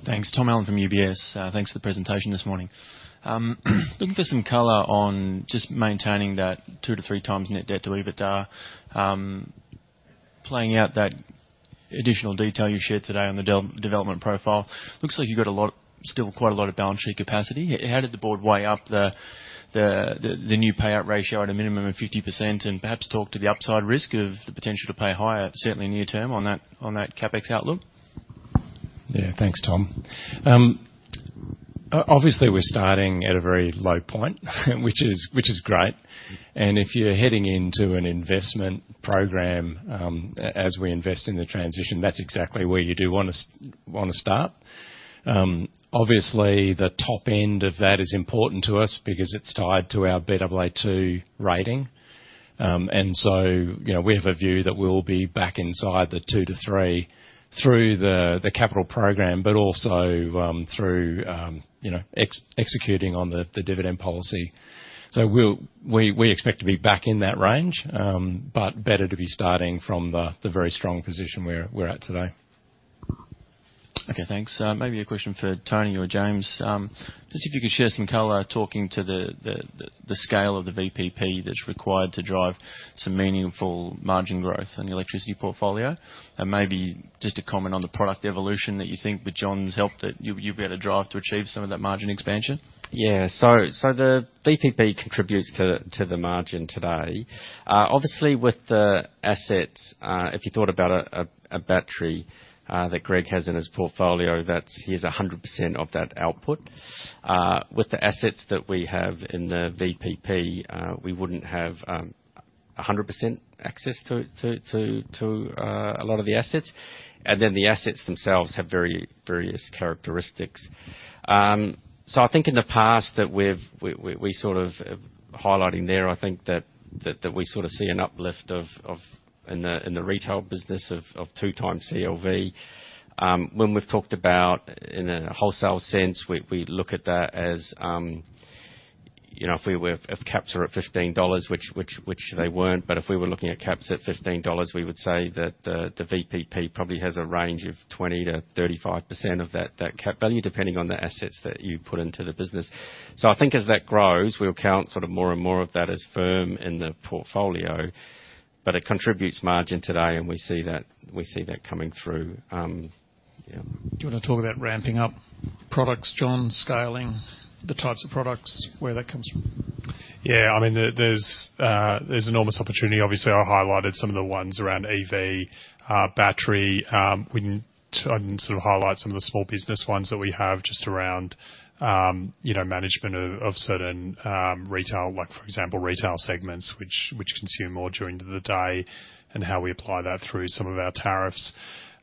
Thanks. Tom Allen from UBS. Thanks for the presentation this morning. Looking for some color on just maintaining that 2-3x net debt to EBITDA. Playing out that additional detail you shared today on the development profile, looks like you've got a lot, still quite a lot of balance sheet capacity. How did the board weigh up the new payout ratio at a minimum of 50%, and perhaps talk to the upside risk of the potential to pay higher, certainly near term, on that CapEx outlook? Yeah. Thanks, Tom. Obviously, we're starting at a very low point, which is great. And if you're heading into an investment program, as we invest in the transition, that's exactly where you do wanna start.... Obviously, the top end of that is important to us because it's tied to our Baa2 rating. And so, you know, we have a view that we'll be back inside the 2-3 through the capital program, but also through, you know, executing on the dividend policy. So we expect to be back in that range, but better to be starting from the very strong position where we're at today. Okay, thanks. Maybe a question for Tony or James. Just if you could share some color, talking to the scale of the VPP that's required to drive some meaningful margin growth in the electricity portfolio. And maybe just to comment on the product evolution that you think, with Jon's help, you'll be able to drive to achieve some of that margin expansion. Yeah. So the VPP contributes to the margin today. Obviously, with the assets, if you thought about a battery that Greg has in his portfolio, that's he has 100% of that output. With the assets that we have in the VPP, we wouldn't have 100% access to a lot of the assets, and then the assets themselves have very various characteristics. So I think in the past that we've sort of highlighting there, I think that we sort of see an uplift of in the retail business of 2 times CLV. When we've talked about in a wholesale sense, we look at that as, you know, if we were... If caps are at 15 dollars, which they weren't, but if we were looking at caps at 15 dollars, we would say that the VPP probably has a range of 20%-35% of that cap value, depending on the assets that you put into the business. So I think as that grows, we'll count sort of more and more of that as firm in the portfolio, but it contributes margin today, and we see that coming through. Yeah. Do you wanna talk about ramping up products, Jon, scaling the types of products, where that comes from? Yeah, I mean, there's enormous opportunity. Obviously, I highlighted some of the ones around EV, battery. I can sort of highlight some of the small business ones that we have just around, you know, management of certain retail, like for example, retail segments, which consume more during the day, and how we apply that through some of our tariffs.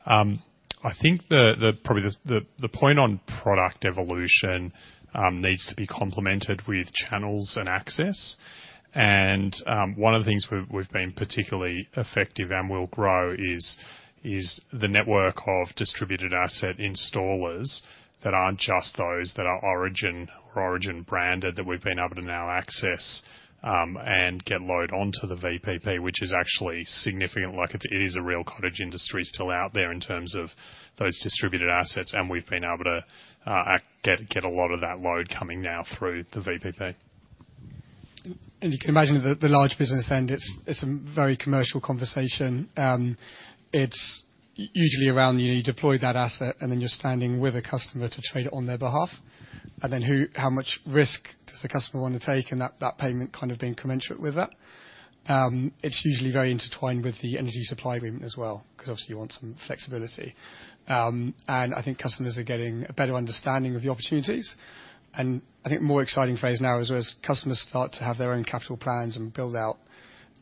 I think probably the point on product evolution needs to be complemented with channels and access. And, one of the things we've been particularly effective and will grow is the network of distributed asset installers that aren't just those that are Origin or Origin-branded, that we've been able to now access, and get load onto the VPP, which is actually significant. Like, it's, it is a real cottage industry still out there in terms of those distributed assets, and we've been able to get a lot of that load coming now through the VPP. You can imagine that the large business end, it's a very commercial conversation. It's usually around you, you deploy that asset, and then you're standing with a customer to trade it on their behalf. And then how much risk does the customer want to take, and that payment kind of being commensurate with that. It's usually very intertwined with the energy supply agreement as well, 'cause obviously you want some flexibility. And I think customers are getting a better understanding of the opportunities, and I think more exciting phase now is as customers start to have their own capital plans and build out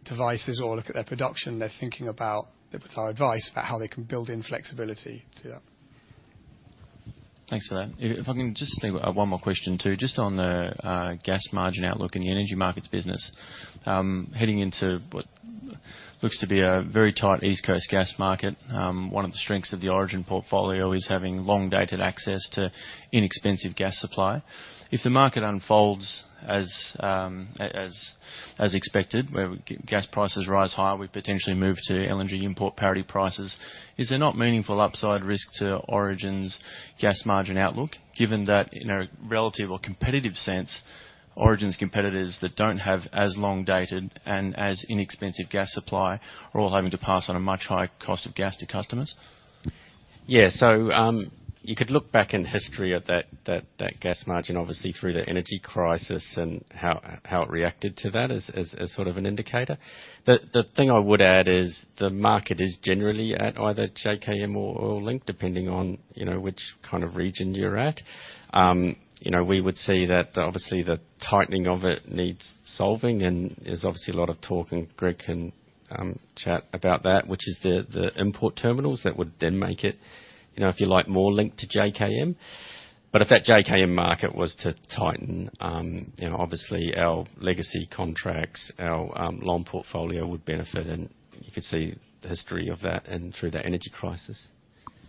devices or look at their production, they're thinking about, with our advice, about how they can build in flexibility to that. Thanks for that. If I can just leave one more question, too, just on the gas margin outlook in the Energy Markets business. Heading into what looks to be a very tight East Coast gas market, one of the strengths of the Origin portfolio is having long-dated access to inexpensive gas supply. If the market unfolds as expected, where gas prices rise higher, we potentially move to LNG import parity prices, is there not meaningful upside risk to Origin's gas margin outlook, given that in a relative or competitive sense, Origin's competitors that don't have as long-dated and as inexpensive gas supply are all having to pass on a much higher cost of gas to customers? Yeah. So, you could look back in history at that gas margin, obviously, through the energy crisis and how it reacted to that as sort of an indicator. The thing I would add is the market is generally at either JKM or LNG, depending on, you know, which kind of region you're at. You know, we would see that obviously the tightening of it needs solving, and there's obviously a lot of talk, and Greg can chat about that, which is the import terminals that would then make it, you know, if you like, more linked to JKM. But if that JKM market was to tighten, you know, obviously, our legacy contracts, our LNG portfolio would benefit, and you could see the history of that and through that energy crisis.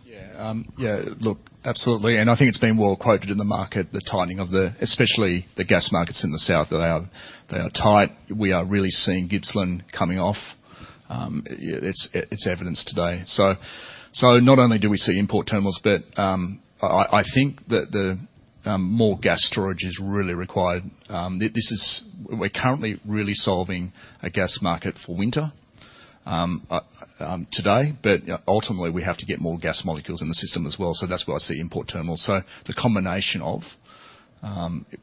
Yeah. Yeah, look, absolutely, and I think it's been well quoted in the market, the tightening of the—especially the gas markets in the south, that they are, they are tight. We are really seeing Gippsland coming off. Yeah, it's, it's evidenced today. So, so not only do we see import terminals, but, I, I, I think that the, more gas storage is really required. This is—We're currently really solving a gas market for winter, today, but, yeah, ultimately, we have to get more gas molecules in the system as well. So that's why I see import terminals. So the combination of,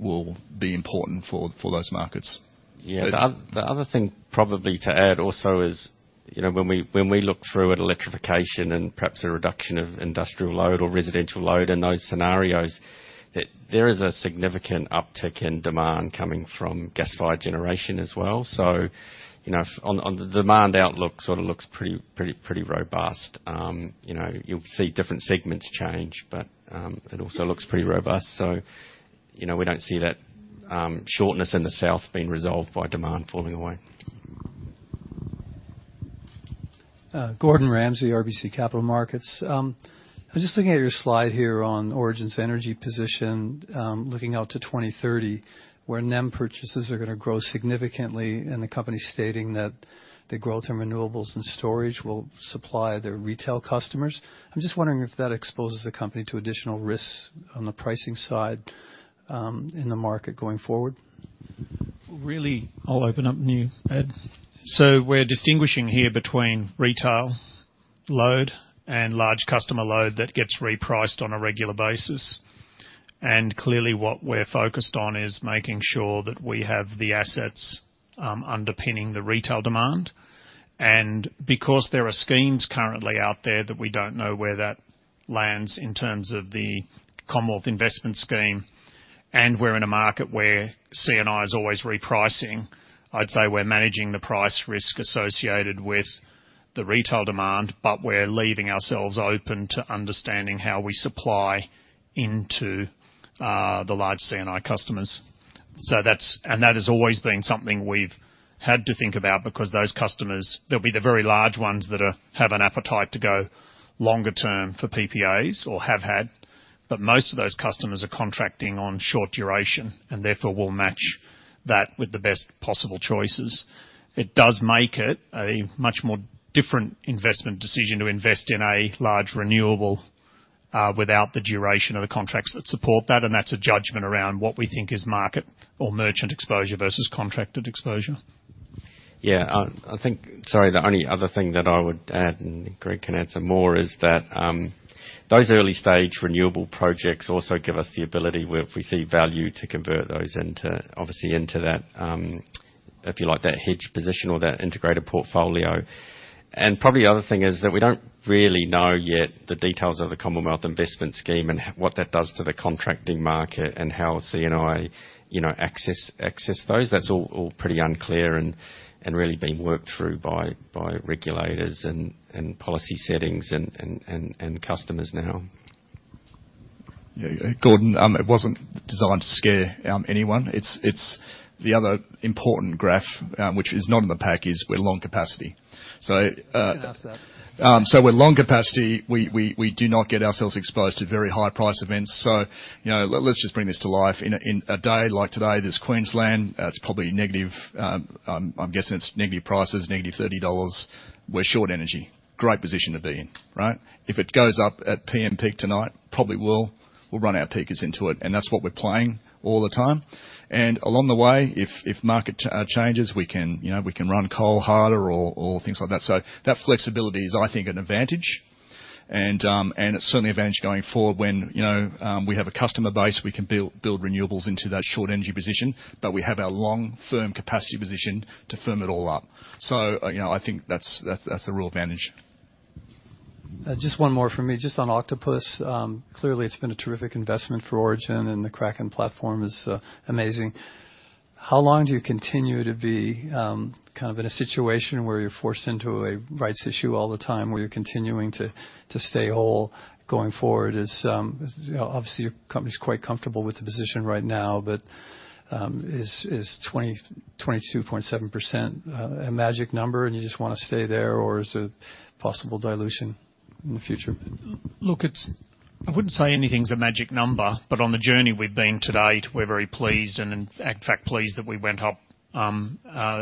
will be important for, for those markets. Yeah. The other thing probably to add also is, you know, when we look through at electrification and perhaps a reduction of industrial load or residential load in those scenarios, that there is a significant uptick in demand coming from gas-fired generation as well. So, you know, on the demand outlook, sort of looks pretty robust. You know, you'll see different segments change, but it also looks pretty robust. So, you know, we don't see that shortness in the south being resolved by demand falling away. Gordon Ramsay, RBC Capital Markets. I was just looking at your slide here on Origin's energy position, looking out to 2030, where NEM purchases are gonna grow significantly, and the company stating that the growth in renewables and storage will supply their retail customers. I'm just wondering if that exposes the company to additional risks on the pricing side, in the market going forward? Really, I'll open up new, Gordon. So we're distinguishing here between retail load and large customer load that gets repriced on a regular basis. And clearly, what we're focused on is making sure that we have the assets underpinning the retail demand. And because there are schemes currently out there that we don't know where that lands in terms of the Capacity Investment Scheme, and we're in a market where C&I is always repricing, I'd say we're managing the price risk associated with the retail demand, but we're leaving ourselves open to understanding how we supply into the large C&I customers. So that's and that has always been something we've had to think about because those customers, they'll be the very large ones that have an appetite to go longer term for PPAs or have had, but most of those customers are contracting on short duration, and therefore, we'll match that with the best possible choices. It does make it a much more different investment decision to invest in a large renewable without the duration of the contracts that support that, and that's a judgment around what we think is market or merchant exposure versus contracted exposure. Yeah, I think. Sorry, the only other thing that I would add, and Greg can add some more, is that those early-stage renewable projects also give us the ability, where if we see value, to convert those into, obviously, into that, if you like, that hedge position or that integrated portfolio. And probably the other thing is that we don't really know yet the details of the Capacity Investment Scheme and what that does to the contracting market and how C&I, you know, access those. That's all pretty unclear and really being worked through by regulators and policy settings and customers now. Yeah, yeah. Gordon, it wasn't designed to scare anyone. It's the other important graph, which is not in the pack, is we're long capacity. So, I was gonna ask that. So we're long capacity. We do not get ourselves exposed to very high price events, so, you know, let's just bring this to life. In a day like today, there's Queensland, it's probably negative, I'm guessing it's negative prices, negative 30 dollars. We're short energy. Great position to be in, right? If it goes up at PM peak tonight, probably will, we'll run our peakers into it, and that's what we're playing all the time. And along the way, if market changes, we can, you know, we can run coal harder or things like that. So that flexibility is, I think, an advantage. It's certainly an advantage going forward when, you know, we have a customer base, we can build renewables into that short energy position, but we have our long, firm capacity position to firm it all up. So, you know, I think that's a real advantage. Just one more from me, just on Octopus. Clearly, it's been a terrific investment for Origin, and the Kraken platform is amazing. How long do you continue to be kind of in a situation where you're forced into a rights issue all the time, where you're continuing to stay whole going forward? As you know, obviously, your company's quite comfortable with the position right now, but is 22.7% a magic number, and you just wanna stay there, or is it possible dilution in the future? Look, it's-- I wouldn't say anything's a magic number, but on the journey we've been to date, we're very pleased and, in fact, pleased that we went up,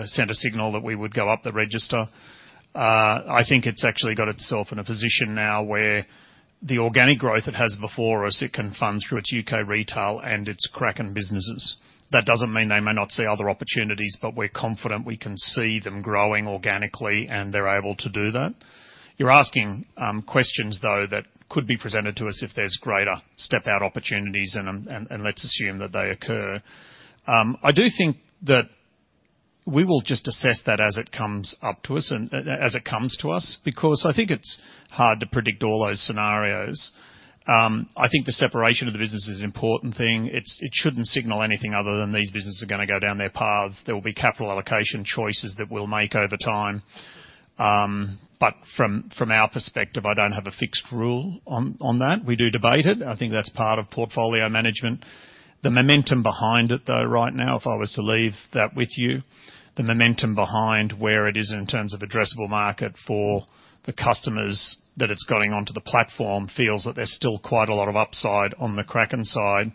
sent a signal that we would go up the register. I think it's actually got itself in a position now where the organic growth it has before us, it can fund through its UK retail and its Kraken businesses. That doesn't mean they may not see other opportunities, but we're confident we can see them growing organically, and they're able to do that. You're asking questions, though, that could be presented to us if there's greater step-out opportunities, and let's assume that they occur. I do think that we will just assess that as it comes up to us and, as it comes to us, because I think it's hard to predict all those scenarios. I think the separation of the business is an important thing. It shouldn't signal anything other than these businesses are gonna go down their path. There will be capital allocation choices that we'll make over time. But from, from our perspective, I don't have a fixed rule on, on that. We do debate it. I think that's part of portfolio management. The momentum behind it, though, right now, if I was to leave that with you, the momentum behind where it is in terms of addressable market for the customers that it's getting onto the platform feels that there's still quite a lot of upside on the Kraken side.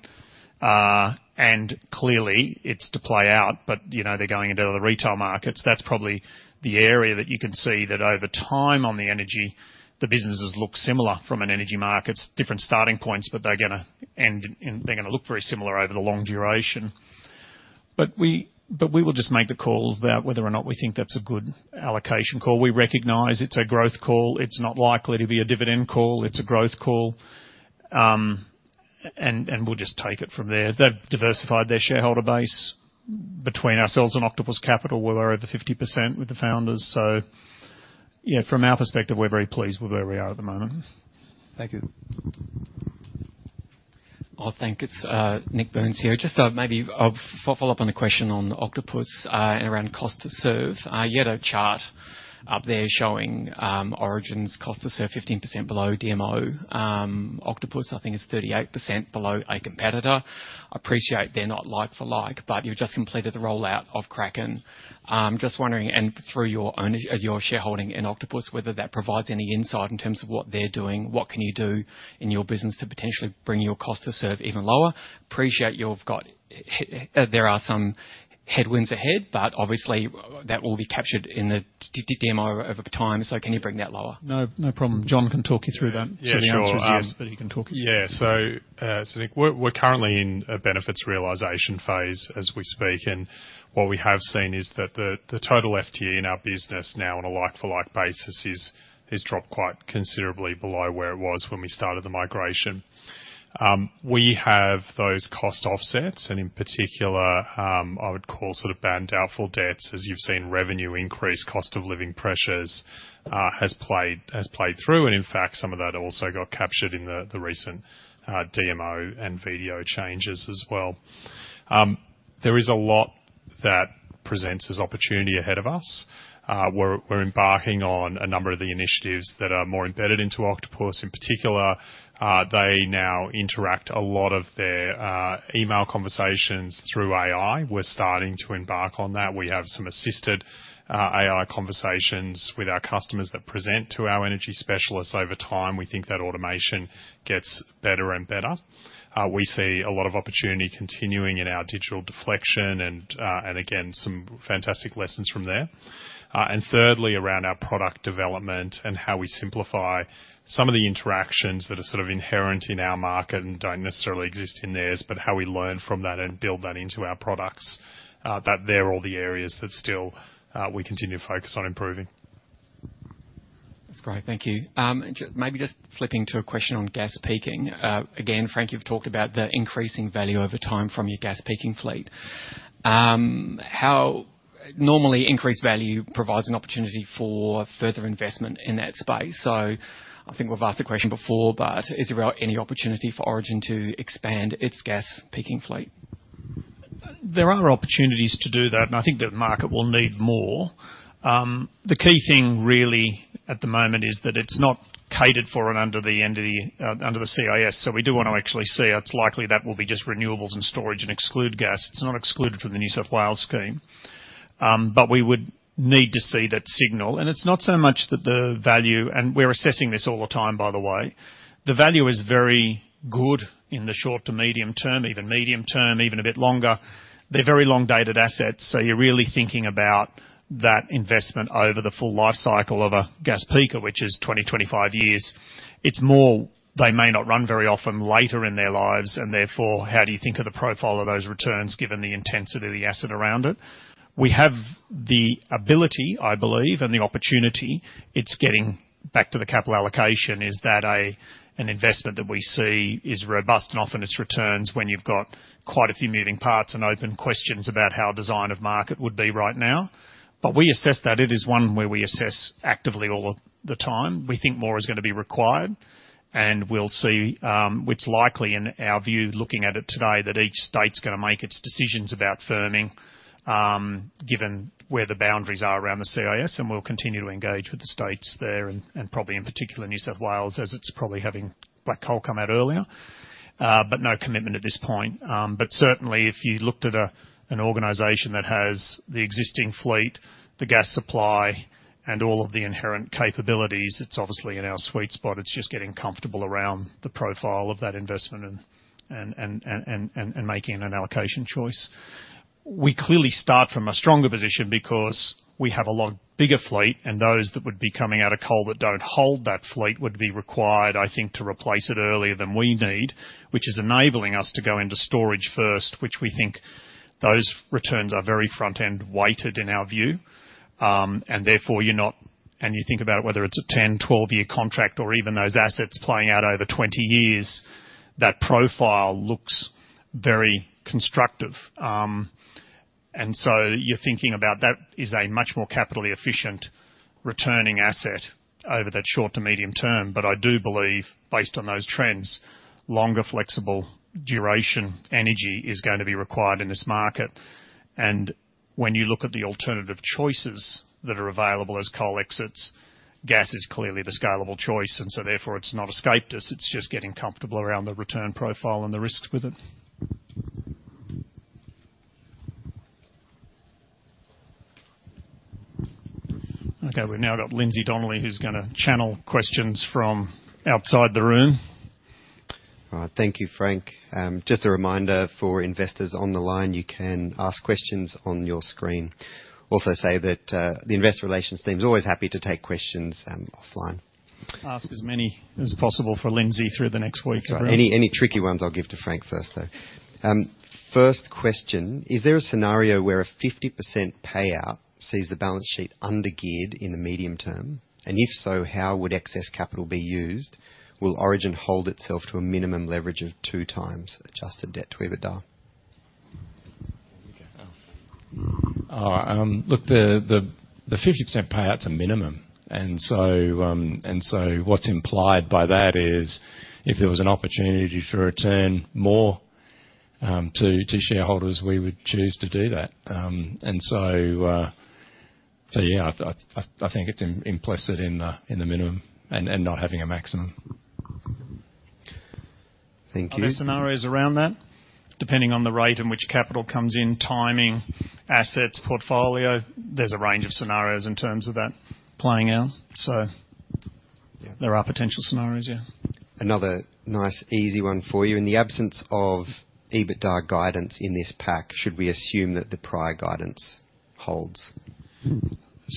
And clearly, it's to play out, but, you know, they're going into other retail markets. That's probably the area that you can see that over time, on the energy, the businesses look similar from an Energy Markets, different starting points, but they're gonna end, and they're gonna look very similar over the long duration. But we will just make the call about whether or not we think that's a good allocation call. We recognize it's a growth call. It's not likely to be a dividend call. It's a growth call. And we'll just take it from there. They've diversified their shareholder base. Between ourselves and Octopus Capital, we're over 50% with the founders, so yeah, from our perspective, we're very pleased with where we are at the moment. Thank you.... Oh, thanks. It's Nik Burns here. Just maybe I'll follow up on the question on Octopus and around cost to serve. You had a chart up there showing Origin's cost to serve 15% below DMO. Octopus, I think, is 38% below a competitor. Appreciate they're not like for like, but you've just completed the rollout of Kraken. Just wondering, and through your ownership - as your shareholding in Octopus, whether that provides any insight in terms of what they're doing, what can you do in your business to potentially bring your cost to serve even lower? Appreciate you've got, there are some headwinds ahead, but obviously, that will be captured in the DMO over time. So can you bring that lower? No, no problem. Jon can talk you through that. Yeah, sure. The answer is, but he can talk you through. Yeah. So, Nick, we're currently in a benefits realization phase as we speak, and what we have seen is that the total FTE in our business now, on a like-for-like basis, has dropped quite considerably below where it was when we started the migration. We have those cost offsets, and in particular, I would call sort of bad and doubtful debts. As you've seen, revenue increase, cost of living pressures has played through, and in fact, some of that also got captured in the recent DMO and VDO changes as well. There is a lot that presents as opportunity ahead of us. We're embarking on a number of the initiatives that are more embedded into Octopus. In particular, they now interact a lot of their email conversations through AI. We're starting to embark on that. We have some assisted AI conversations with our customers that present to our energy specialists. Over time, we think that automation gets better and better. We see a lot of opportunity continuing in our digital deflection and, and again, some fantastic lessons from there. And thirdly, around our product development and how we simplify some of the interactions that are sort of inherent in our market and don't necessarily exist in theirs, but how we learn from that and build that into our products. That they're all the areas that still, we continue to focus on improving. That's great. Thank you. Maybe just flipping to a question on gas peaking. Again, Frank, you've talked about the increasing value over time from your gas peaking fleet. Normally, increased value provides an opportunity for further investment in that space. So I think we've asked the question before, but is there any opportunity for Origin to expand its gas peaking fleet? There are opportunities to do that, and I think the market will need more. The key thing really at the moment is that it's not catered for and under the entity, under the CIS. So we do want to actually see it. It's likely that will be just renewables and storage and exclude gas. It's not excluded from the New South Wales scheme, but we would need to see that signal. And it's not so much that the value, and we're assessing this all the time, by the way, the value is very good in the short to medium term, even medium term, even a bit longer. They're very long-dated assets, so you're really thinking about that investment over the full life cycle of a gas peaker, which is 20-25 years. It's more, they may not run very often later in their lives, and therefore, how do you think of the profile of those returns, given the intensity of the asset around it? We have the ability, I believe, and the opportunity. It's getting back to the capital allocation, is that an investment that we see is robust and often it's returns when you've got quite a few moving parts and open questions about how design of market would be right now. But we assess that it is one where we assess actively all of the time. We think more is gonna be required, and we'll see. It's likely in our view, looking at it today, that each state's gonna make its decisions about firming, given where the boundaries are around the CIS, and we'll continue to engage with the states there and probably in particular New South Wales, as it's probably having black coal come out earlier. But no commitment at this point. But certainly, if you looked at an organization that has the existing fleet, the gas supply, and all of the inherent capabilities, it's obviously in our sweet spot. It's just getting comfortable around the profile of that investment and making an allocation choice. We clearly start from a stronger position because we have a lot bigger fleet, and those that would be coming out of coal that don't hold that fleet would be required, I think, to replace it earlier than we need, which is enabling us to go into storage first, which we think those returns are very front-end weighted, in our view. And therefore, and you think about whether it's a 10, 12-year contract or even those assets playing out over 20 years, that profile looks very constructive. And so you're thinking about that is a much more capitally efficient returning asset over that short to medium term. But I do believe, based on those trends, longer flexible duration energy is going to be required in this market. When you look at the alternative choices that are available as coal exits, gas is clearly the scalable choice, and so therefore it's not escaped us. It's just getting comfortable around the return profile and the risks with it. Okay, we've now got Lindsay Donnelly, who's gonna channel questions from outside the room. All right. Thank you, Frank. Just a reminder for investors on the line, you can ask questions on your screen. Also say that, the investor relations team is always happy to take questions, offline. Ask as many as possible for Lindsay through the next week's room. Any, any tricky ones I'll give to Frank first, though. First question: Is there a scenario where a 50% payout sees the balance sheet undergeared in the medium term? And if so, how would excess capital be used? Will Origin hold itself to a minimum leverage of 2x adjusted debt to EBITDA? Look, the 50% payout's a minimum, and so what's implied by that is, if there was an opportunity to return more to shareholders, we would choose to do that. So yeah, I think it's implicit in the minimum and not having a maximum. Thank you. Are there scenarios around that? Depending on the rate in which capital comes in, timing, assets, portfolio, there's a range of scenarios in terms of that playing out, so- Yeah. There are potential scenarios, yeah. Another nice, easy one for you. In the absence of EBITDA guidance in this pack, should we assume that the prior guidance holds?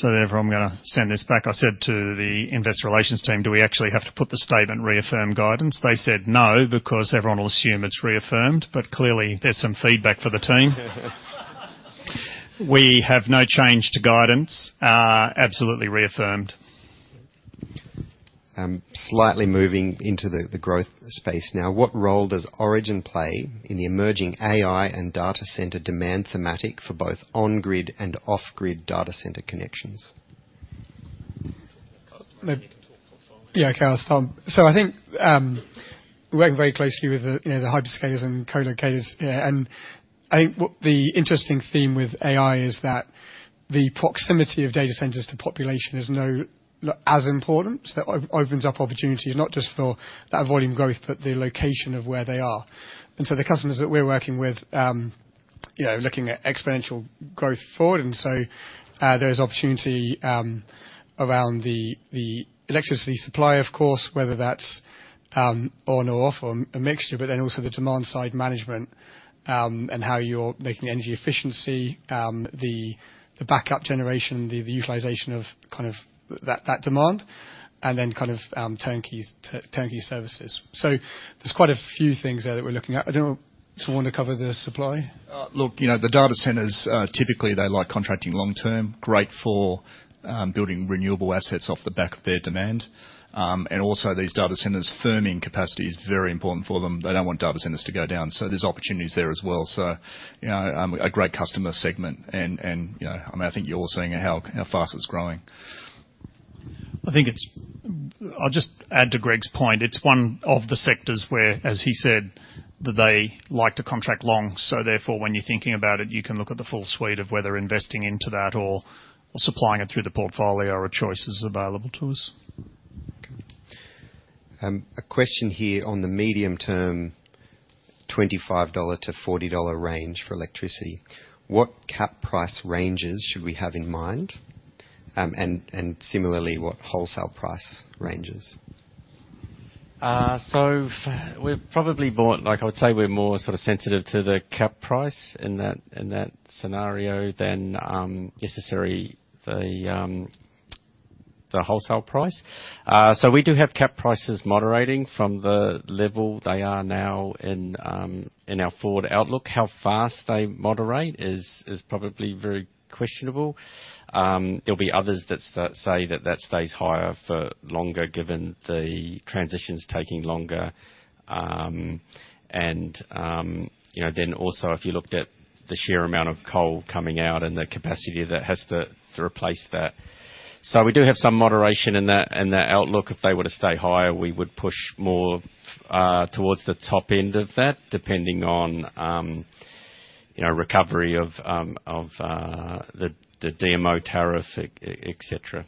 Therefore, I'm gonna send this back. I said to the investor relations team: "Do we actually have to put the statement 'reaffirmed guidance?'" They said, "No, because everyone will assume it's reaffirmed," but clearly, there's some feedback for the team. We have no change to guidance, absolutely reaffirmed. Slightly moving into the growth space now. What role does Origin play in the emerging AI and data center demand thematic for both on-grid and off-grid data center connections? Yeah, Lindsay. So I think we're working very closely with the, you know, the hyperscalers and co-locators. Yeah, and I think what the interesting theme with AI is that the proximity of data centers to population is no, not as important. So that opens up opportunities not just for that volume growth, but the location of where they are. And so the customers that we're working with, you know, are looking at exponential growth forward, and so there's opportunity around the electricity supply, of course, whether that's on or off or a mixture, but then also the demand-side management, and how you're making energy efficiency, the backup generation, the utilization of kind of that demand, and then kind of turnkey services. So there's quite a few things there that we're looking at. I don't know... Does someone want to cover the supply? Look, you know, the data centers, typically, they like contracting long term. Great for building renewable assets off the back of their demand. And also, these data centers, firming capacity is very important for them. They don't want data centers to go down, so there's opportunities there as well. So, you know, a great customer segment and, you know, I mean, I think you're all seeing how fast it's growing. I think it's... I'll just add to Greg's point. It's one of the sectors where, as he said, that they like to contract long. So therefore, when you're thinking about it, you can look at the full suite of whether investing into that or, or supplying it through the portfolio are choices available to us. A question here on the medium term, 25-40 dollar range for electricity, what cap price ranges should we have in mind, and similarly, what wholesale price ranges? So we're probably more like, I would say we're more sort of sensitive to the cap price in that scenario than necessarily the wholesale price. So we do have cap prices moderating from the level they are now in our forward outlook. How fast they moderate is probably very questionable. There'll be others that say that that stays higher for longer, given the transitions taking longer. And you know, then also, if you looked at the sheer amount of coal coming out and the capacity that has to replace that. So we do have some moderation in that outlook. If they were to stay higher, we would push more towards the top end of that, depending on, you know, recovery of the DMO tariff, et cetera.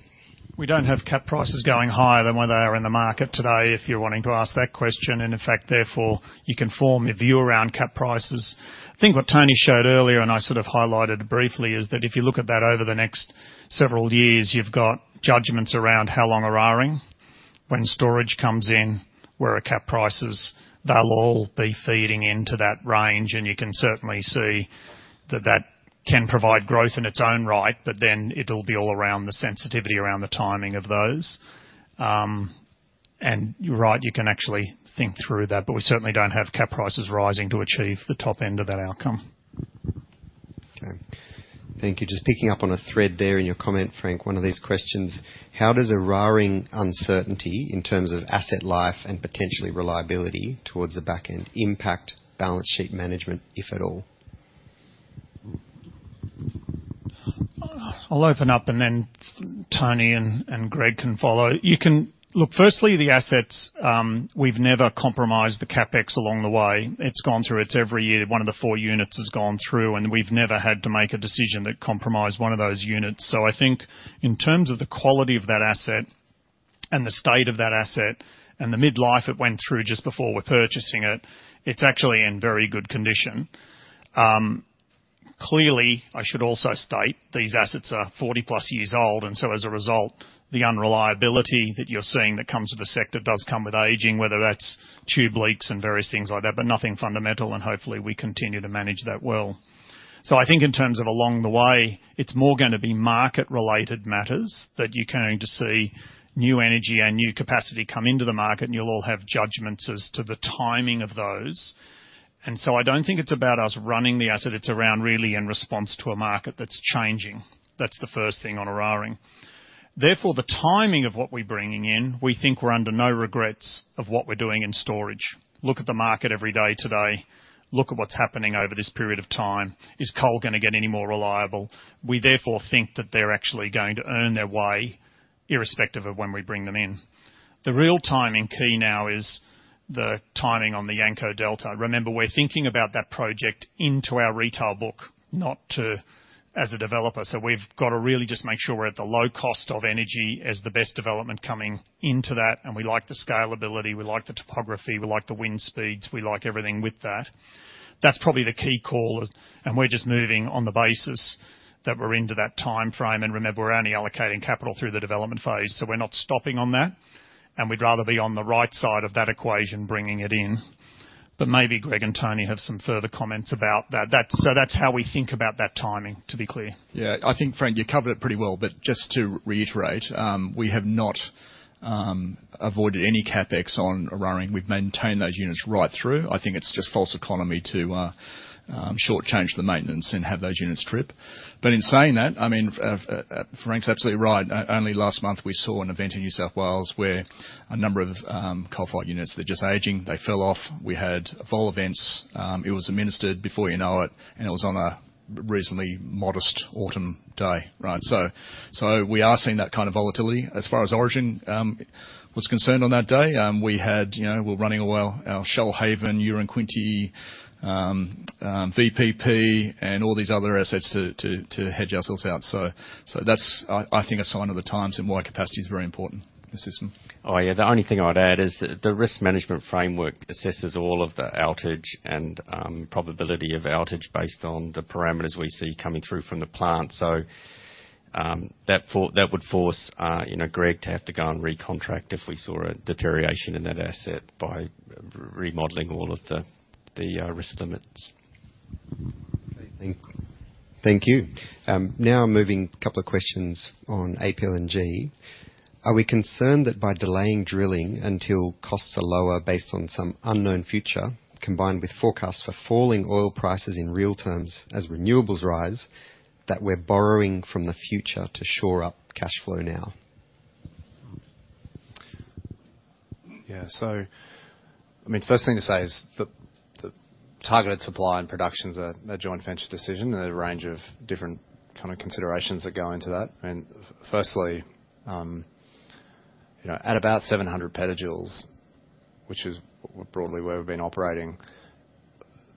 We don't have cap prices going higher than where they are in the market today, if you're wanting to ask that question, and in fact, therefore, you can form your view around cap prices. I think what Tony showed earlier, and I sort of highlighted briefly, is that if you look at that over the next several years, you've got judgments around how long Eraring, when storage comes in, where are cap prices, they'll all be feeding into that range. And you can certainly see that that can provide growth in its own right, but then it'll be all around the sensitivity around the timing of those. And you're right, you can actually think through that, but we certainly don't have cap prices rising to achieve the top end of that outcome. Okay. Thank you. Just picking up on a thread there in your comment, Frank, one of these questions: How does Eraring uncertainty in terms of asset life and potentially reliability towards the back end impact balance sheet management, if at all? I'll open up, and then Tony and Greg can follow. Look, firstly, the assets, we've never compromised the CapEx along the way. It's gone through, it's every year, one of the four units has gone through, and we've never had to make a decision that compromised one of those units. So I think in terms of the quality of that asset and the state of that asset and the mid-life it went through just before we're purchasing it, it's actually in very good condition. Clearly, I should also state, these assets are 40+ years old, and so as a result, the unreliability that you're seeing that comes with the sector does come with aging, whether that's tube leaks and various things like that, but nothing fundamental, and hopefully, we continue to manage that well. So I think in terms of along the way, it's more gonna be market-related matters that you're going to see new energy and new capacity come into the market, and you'll all have judgments as to the timing of those. So I don't think it's about us running the asset. It's around really in response to a market that's changing. That's the first thing on Eraring. Therefore, the timing of what we're bringing in, we think we're under no regrets of what we're doing in storage. Look at the market every day today. Look at what's happening over this period of time. Is coal gonna get any more reliable? We, therefore, think that they're actually going to earn their way, irrespective of when we bring them in. The real timing key now is the timing on the Yanco Delta. Remember, we're thinking about that project into our retail book, not to, as a developer. So we've got to really just make sure we're at the low cost of energy as the best development coming into that, and we like the scalability, we like the topography, we like the wind speeds, we like everything with that. That's probably the key call, and we're just moving on the basis that we're into that timeframe. And remember, we're only allocating capital through the development phase, so we're not stopping on that. And we'd rather be on the right side of that equation, bringing it in. But maybe Greg and Tony have some further comments about that. So that's how we think about that timing, to be clear. Yeah. I think, Frank, you covered it pretty well, but just to reiterate, we have not avoided any CapEx on Eraring. We've maintained those units right through. I think it's just false economy to shortchange the maintenance and have those units trip. But in saying that, I mean, Frank's absolutely right. Only last month, we saw an event in New South Wales where a number of coal-fired units, they're just aging, they fell off. We had fault events. It was administered before you know it, and it was on a reasonably modest autumn day, right? So we are seeing that kind of volatility. As far as Origin was concerned on that day, we had, you know, we're running our Shoalhaven, Yanco, VPP, and all these other assets to hedge ourselves out. So that's, I think, a sign of the times and why capacity is very important in the system. Oh, yeah. The only thing I'd add is the risk management framework assesses all of the outage and probability of outage based on the parameters we see coming through from the plant. So, that would force, you know, Greg to have to go and recontract if we saw a deterioration in that asset by remodeling all of the risk limits. Thank you. Now moving a couple of questions on APLNG. Are we concerned that by delaying drilling until costs are lower based on some unknown future, combined with forecasts for falling oil prices in real terms as renewables rise, that we're borrowing from the future to shore up cash flow now? Yeah. So, I mean, first thing to say is the targeted supply and production's a joint venture decision and a range of different kind of considerations that go into that. And firstly, you know, at about 700 PJ, which is broadly where we've been operating,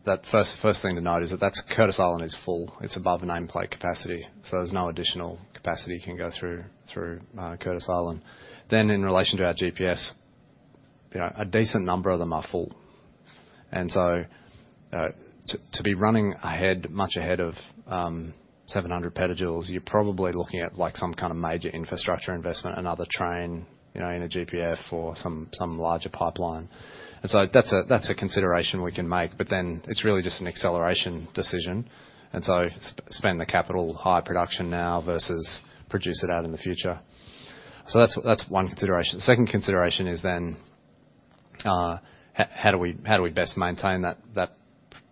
that first thing to note is that that's Curtis Island is full. It's above the nameplate capacity, so there's no additional capacity can go through Curtis Island. Then in relation to our GPFs, you know, a decent number of them are full, and so to be running ahead, much ahead of 700 PJ, you're probably looking at, like, some kind of major infrastructure investment, another train, you know, in a GPF or some larger pipeline. And so that's a consideration we can make, but then it's really just an acceleration decision, and so spend the capital, high production now versus produce it out in the future. So that's one consideration. The second consideration is then how do we best maintain that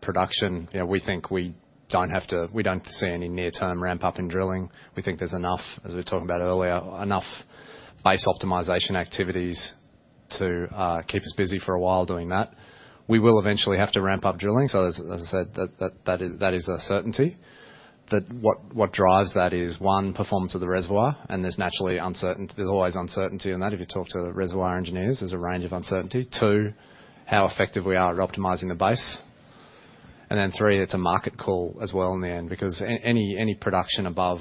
production? You know, we think we don't have to. We don't see any near-term ramp-up in drilling. We think there's enough, as we were talking about earlier, enough base optimization activities to keep us busy for a while doing that. We will eventually have to ramp up drilling, so as I said, that is a certainty. That what drives that is, one, performance of the reservoir, and there's naturally. There's always uncertainty in that. If you talk to the reservoir engineers, there's a range of uncertainty. Two, how effective we are at optimizing the base. And then, three, it's a market call as well in the end, because any production above...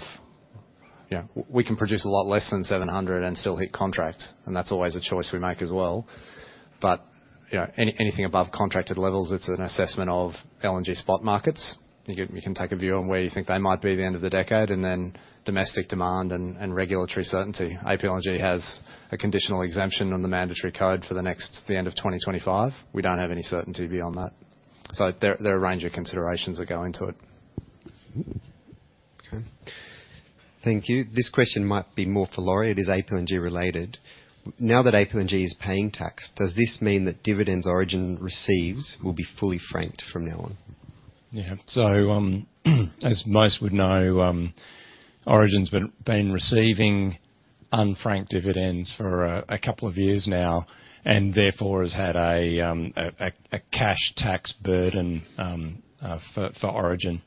You know, we can produce a lot less than 700 and still hit contract, and that's always a choice we make as well. But, you know, anything above contracted levels, it's an assessment of LNG spot markets. You can take a view on where you think they might be at the end of the decade, and then domestic demand and regulatory certainty. APLNG has a conditional exemption on the mandatory code for the next, the end of 2025. We don't have any certainty beyond that. So there are a range of considerations that go into it. Okay. Thank you. This question might be more for Tony. It is APLNG related. Now that APLNG is paying tax, does this mean that dividends Origin receives will be fully franked from now on? Yeah. So, as most would know, Origin's been receiving unfranked dividends for a couple of years now, and therefore has had a cash tax burden for Origin.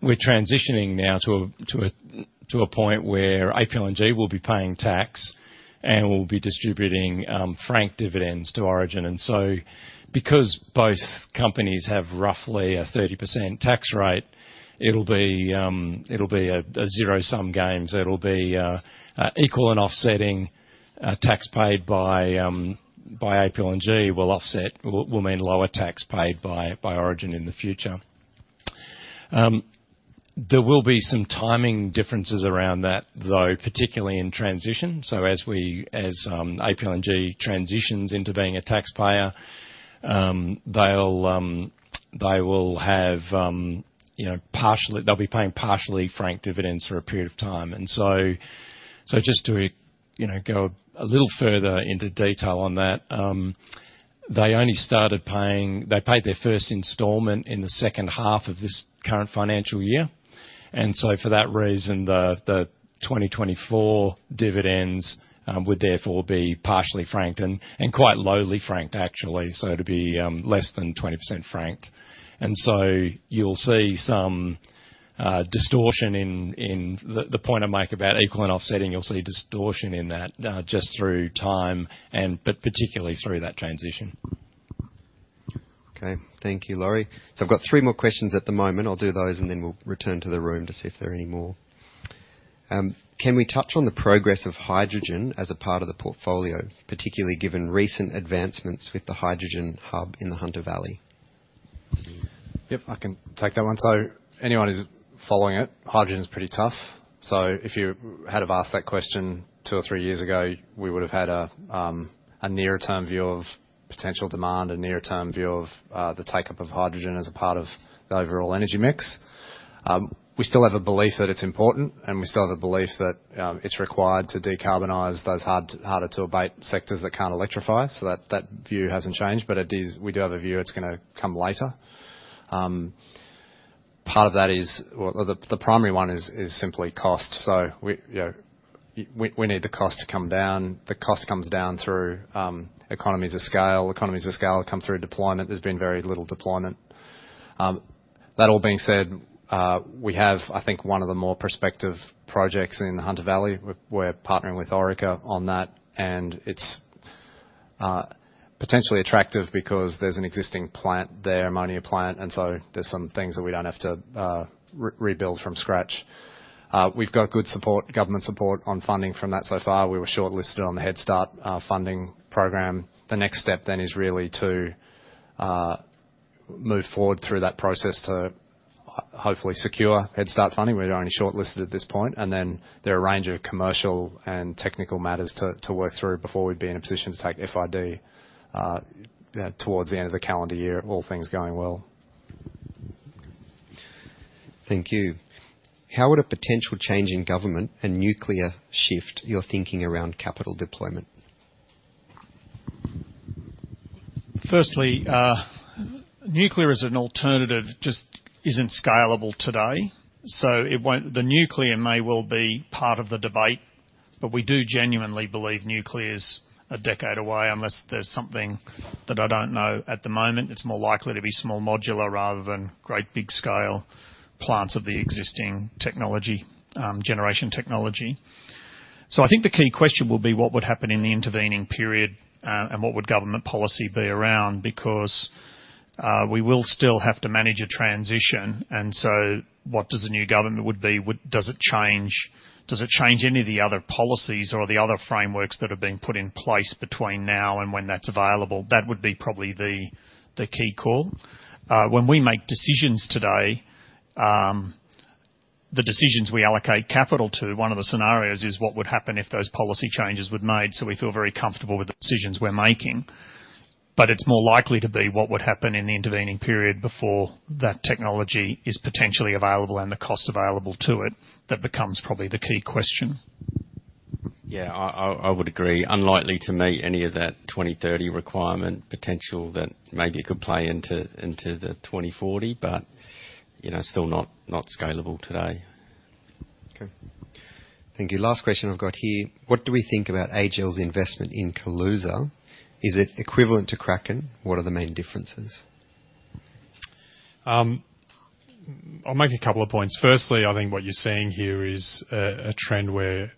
We're transitioning now to a point where APLNG will be paying tax and will be distributing franked dividends to Origin. And so, because both companies have roughly a 30% tax rate, it'll be a zero-sum game. So it'll be equal and offsetting tax paid by APLNG will offset, will mean lower tax paid by Origin in the future. There will be some timing differences around that, though, particularly in transition. So as APLNG transitions into being a taxpayer, they'll, they will have, you know, partially- they'll be paying partially franked dividends for a period of time. And so just to, you know, go a little further into detail on that, they only started paying, they paid their first installment in the second half of this current financial year. And so for that reason, the 2024 dividends would therefore be partially franked and quite lowly franked, actually, so it'd be less than 20% franked. And so you'll see some distortion in the point I make about equal and offsetting, you'll see distortion in that, just through time and, but particularly through that transition. Okay. Thank you, Laurie. So I've got three more questions at the moment. I'll do those, and then we'll return to the room to see if there are any more. Can we touch on the progress of hydrogen as a part of the portfolio, particularly given recent advancements with the hydrogen hub in the Hunter Valley? Yep, I can take that one. So anyone who's following it, hydrogen is pretty tough. So if you had have asked that question two or three years ago, we would have had a near-term view of potential demand, a near-term view of the take-up of hydrogen as a part of the overall energy mix. We still have a belief that it's important, and we still have a belief that it's required to decarbonize those hard, harder-to-abate sectors that can't electrify. So that view hasn't changed, but we do have a view it's gonna come later. Part of that is. Well, the primary one is simply cost. So we, you know, we need the cost to come down. The cost comes down through economies of scale. Economies of scale come through deployment. There's been very little deployment. That all being said, we have, I think, one of the more prospective projects in Hunter Valley. We're partnering with Orica on that, and it's potentially attractive because there's an existing plant there, ammonia plant, and so there's some things that we don't have to rebuild from scratch. We've got good support, government support on funding from that so far. We were shortlisted on the Headstart Funding program. The next step then is really to move forward through that process to hopefully secure Headstart funding. We're only shortlisted at this point, and then there are a range of commercial and technical matters to work through before we'd be in a position to take FID towards the end of the calendar year, all things going well. Thank you. How would a potential change in government and nuclear shift your thinking around capital deployment? Firstly, nuclear as an alternative just isn't scalable today, so it won't. The nuclear may well be part of the debate, but we do genuinely believe nuclear is a decade away, unless there's something that I don't know at the moment. It's more likely to be small modular rather than great big-scale plants of the existing technology, generation technology. So I think the key question will be what would happen in the intervening period, and what would government policy be around? Because, we will still have to manage a transition, and so what does a new government would be. Does it change any of the other policies or the other frameworks that have been put in place between now and when that's available? That would be probably the key call. When we make decisions today, the decisions we allocate capital to, one of the scenarios is what would happen if those policy changes were made, so we feel very comfortable with the decisions we're making. But it's more likely to be what would happen in the intervening period before that technology is potentially available and the cost available to it. That becomes probably the key question. Yeah, I would agree. Unlikely to meet any of that 2030 requirement potential that maybe could play into the 2040, but, you know, still not scalable today. Okay. Thank you. Last question I've got here: What do we think about AGL's investment in Kaluza? Is it equivalent to Kraken? What are the main differences? I'll make a couple of points. Firstly, I think what you're seeing here is a trend where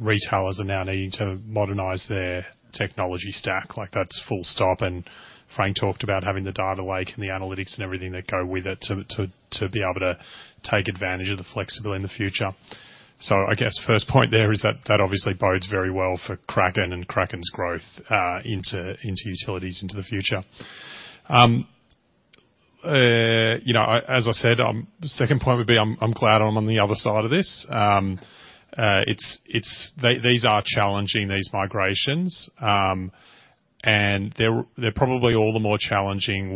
retailers are now needing to modernize their technology stack. Like, that's full stop, and Frank talked about having the data lake and the analytics and everything that go with it to be able to take advantage of the flexibility in the future. So I guess first point there is that that obviously bodes very well for Kraken and Kraken's growth into utilities into the future. You know, as I said, the second point would be I'm glad I'm on the other side of this. It's... These are challenging, these migrations, and they're probably all the more challenging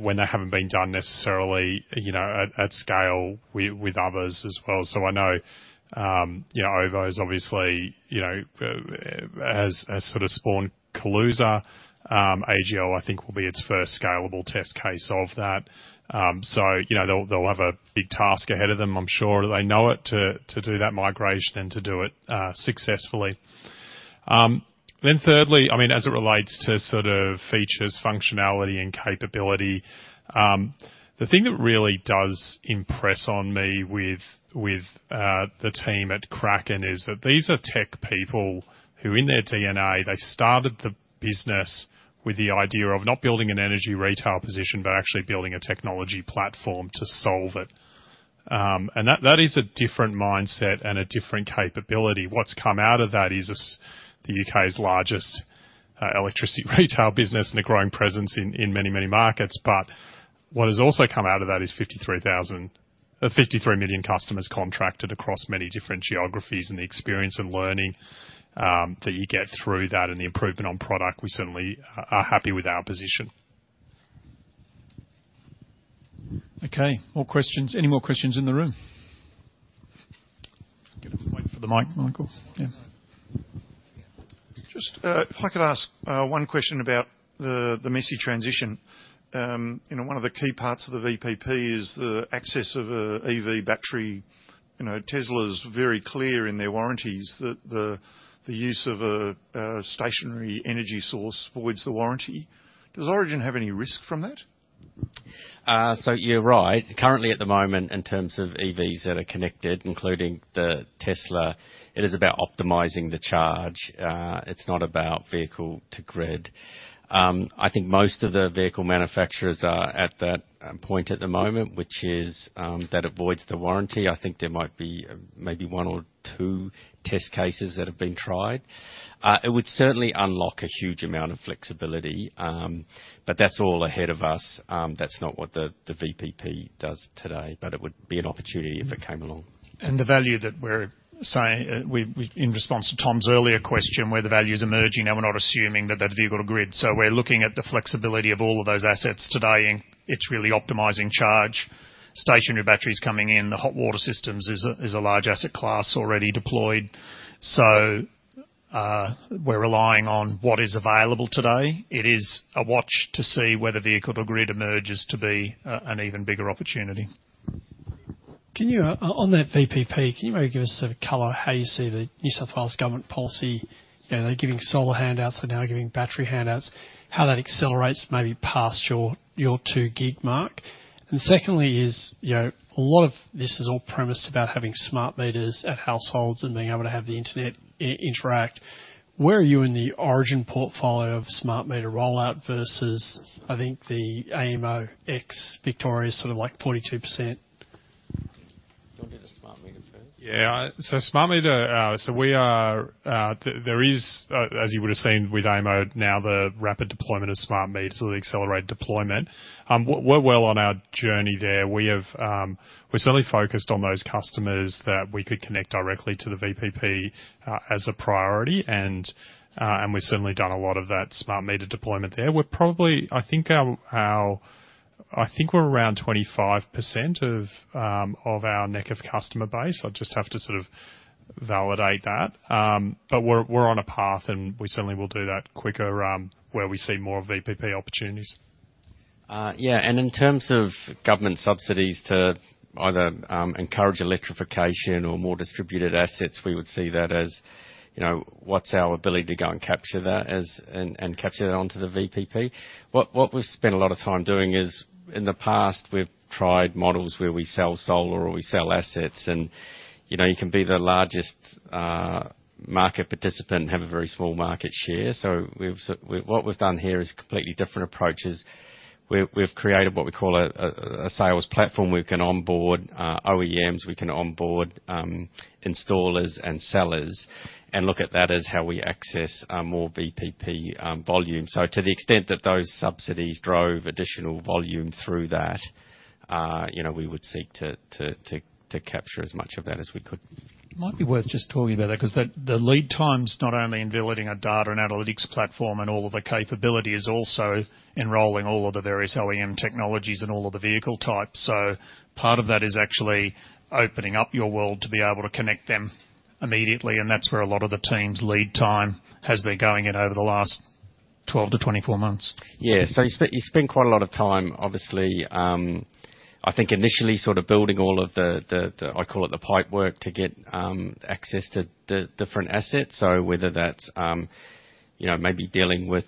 when they haven't been done necessarily, you know, at scale with others as well. So I know, you know, OVO is obviously, you know, has sort of spawned Kaluza. AGL, I think, will be its first scalable test case of that. So, you know, they'll have a big task ahead of them. I'm sure they know it, to do that migration and to do it successfully. Then thirdly, I mean, as it relates to sort of features, functionality and capability, the thing that really does impress on me with the team at Kraken is that these are tech people who, in their DNA, they started the business with the idea of not building an energy retail position, but actually building a technology platform to solve it. And that is a different mindset and a different capability. What's come out of that is the UK's largest electricity retail business and a growing presence in many, many markets. But what has also come out of that is 53 million customers contracted across many different geographies, and the experience and learning that you get through that and the improvement on product, we certainly are happy with our position.... Okay, more questions. Any more questions in the room? You have to wait for the mic, Michael. Yeah. Just, if I could ask, one question about the messy transition. You know, one of the key parts of the VPP is the access of EV battery. You know, Tesla is very clear in their warranties that the use of a stationary energy source voids the warranty. Does Origin have any risk from that? So you're right. Currently, at the moment, in terms of EVs that are connected, including the Tesla, it is about optimizing the charge, it's not about vehicle-to-grid. I think most of the vehicle manufacturers are at that point at the moment, which is that avoids the warranty. I think there might be maybe one or two test cases that have been tried. It would certainly unlock a huge amount of flexibility, but that's all ahead of us. That's not what the VPP does today, but it would be an opportunity if it came along. The value that we're saying, in response to Tom's earlier question, where the value is emerging, now, we're not assuming that that's vehicle-to-grid, so we're looking at the flexibility of all of those assets today, and it's really optimizing charge. Stationary batteries coming in, the hot water systems is a large asset class already deployed. We're relying on what is available today. It is a watch to see whether vehicle-to-grid emerges to be an even bigger opportunity. Can you on that VPP, can you maybe give us a color how you see the New South Wales government policy? You know, they're giving solar handouts and now giving battery handouts, how that accelerates maybe past your, your 2 gig mark. And secondly is, you know, a lot of this is all premise about having smart meters at households and being able to have the internet interact. Where are you in the Origin portfolio of smart meter rollout versus, I think, the AEMO, ex-Victoria, sort of like 42%? Do you want to do the smart meter first? Yeah. So smart meter, so we are, there is, as you would have seen with AEMO, now the rapid deployment of smart meters or the accelerated deployment. We're well on our journey there. We're certainly focused on those customers that we could connect directly to the VPP as a priority, and we've certainly done a lot of that smart meter deployment there. We're probably, I think, our, our- I think we're around 25% of our NECF customer base. I'll just have to sort of validate that. But we're on a path, and we certainly will do that quicker where we see more VPP opportunities. Yeah, and in terms of government subsidies to either encourage electrification or more distributed assets, we would see that as, you know, what's our ability to go and capture that as and capture that onto the VPP. What we've spent a lot of time doing is, in the past, we've tried models where we sell solar or we sell assets, and, you know, you can be the largest market participant and have a very small market share. So what we've done here is completely different approaches. We've created what we call a sales platform. We can onboard OEMs, we can onboard installers and sellers, and look at that as how we access more VPP volume. To the extent that those subsidies drove additional volume through that, you know, we would seek to capture as much of that as we could. It might be worth just talking about that, 'cause the lead times, not only in building a data and analytics platform and all of the capabilities, also enrolling all of the various OEM technologies and all of the vehicle types. So part of that is actually opening up your world to be able to connect them immediately, and that's where a lot of the team's lead time has been going in over the last 12-24 months. Yeah. So you spend quite a lot of time, obviously, I think initially sort of building all of the, I call it the pipe work, to get access to the different assets. So whether that's, you know, maybe dealing with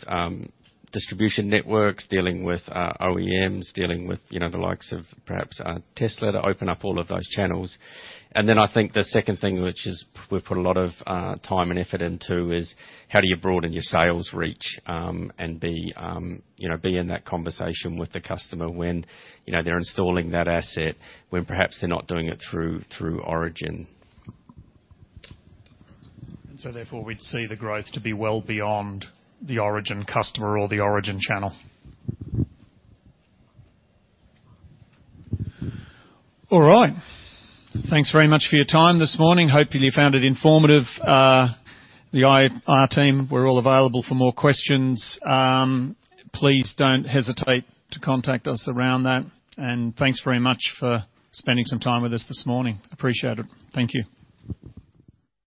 distribution networks, dealing with OEMs, dealing with, you know, the likes of perhaps Tesla, to open up all of those channels. And then I think the second thing, which is we've put a lot of time and effort into, is how do you broaden your sales reach, and be, you know, be in that conversation with the customer when, you know, they're installing that asset, when perhaps they're not doing it through Origin. And so therefore, we'd see the growth to be well beyond the Origin customer or the Origin channel. All right. Thanks very much for your time this morning. Hopefully, you found it informative. Our team, we're all available for more questions. Please don't hesitate to contact us around that, and thanks very much for spending some time with us this morning. Appreciate it. Thank you.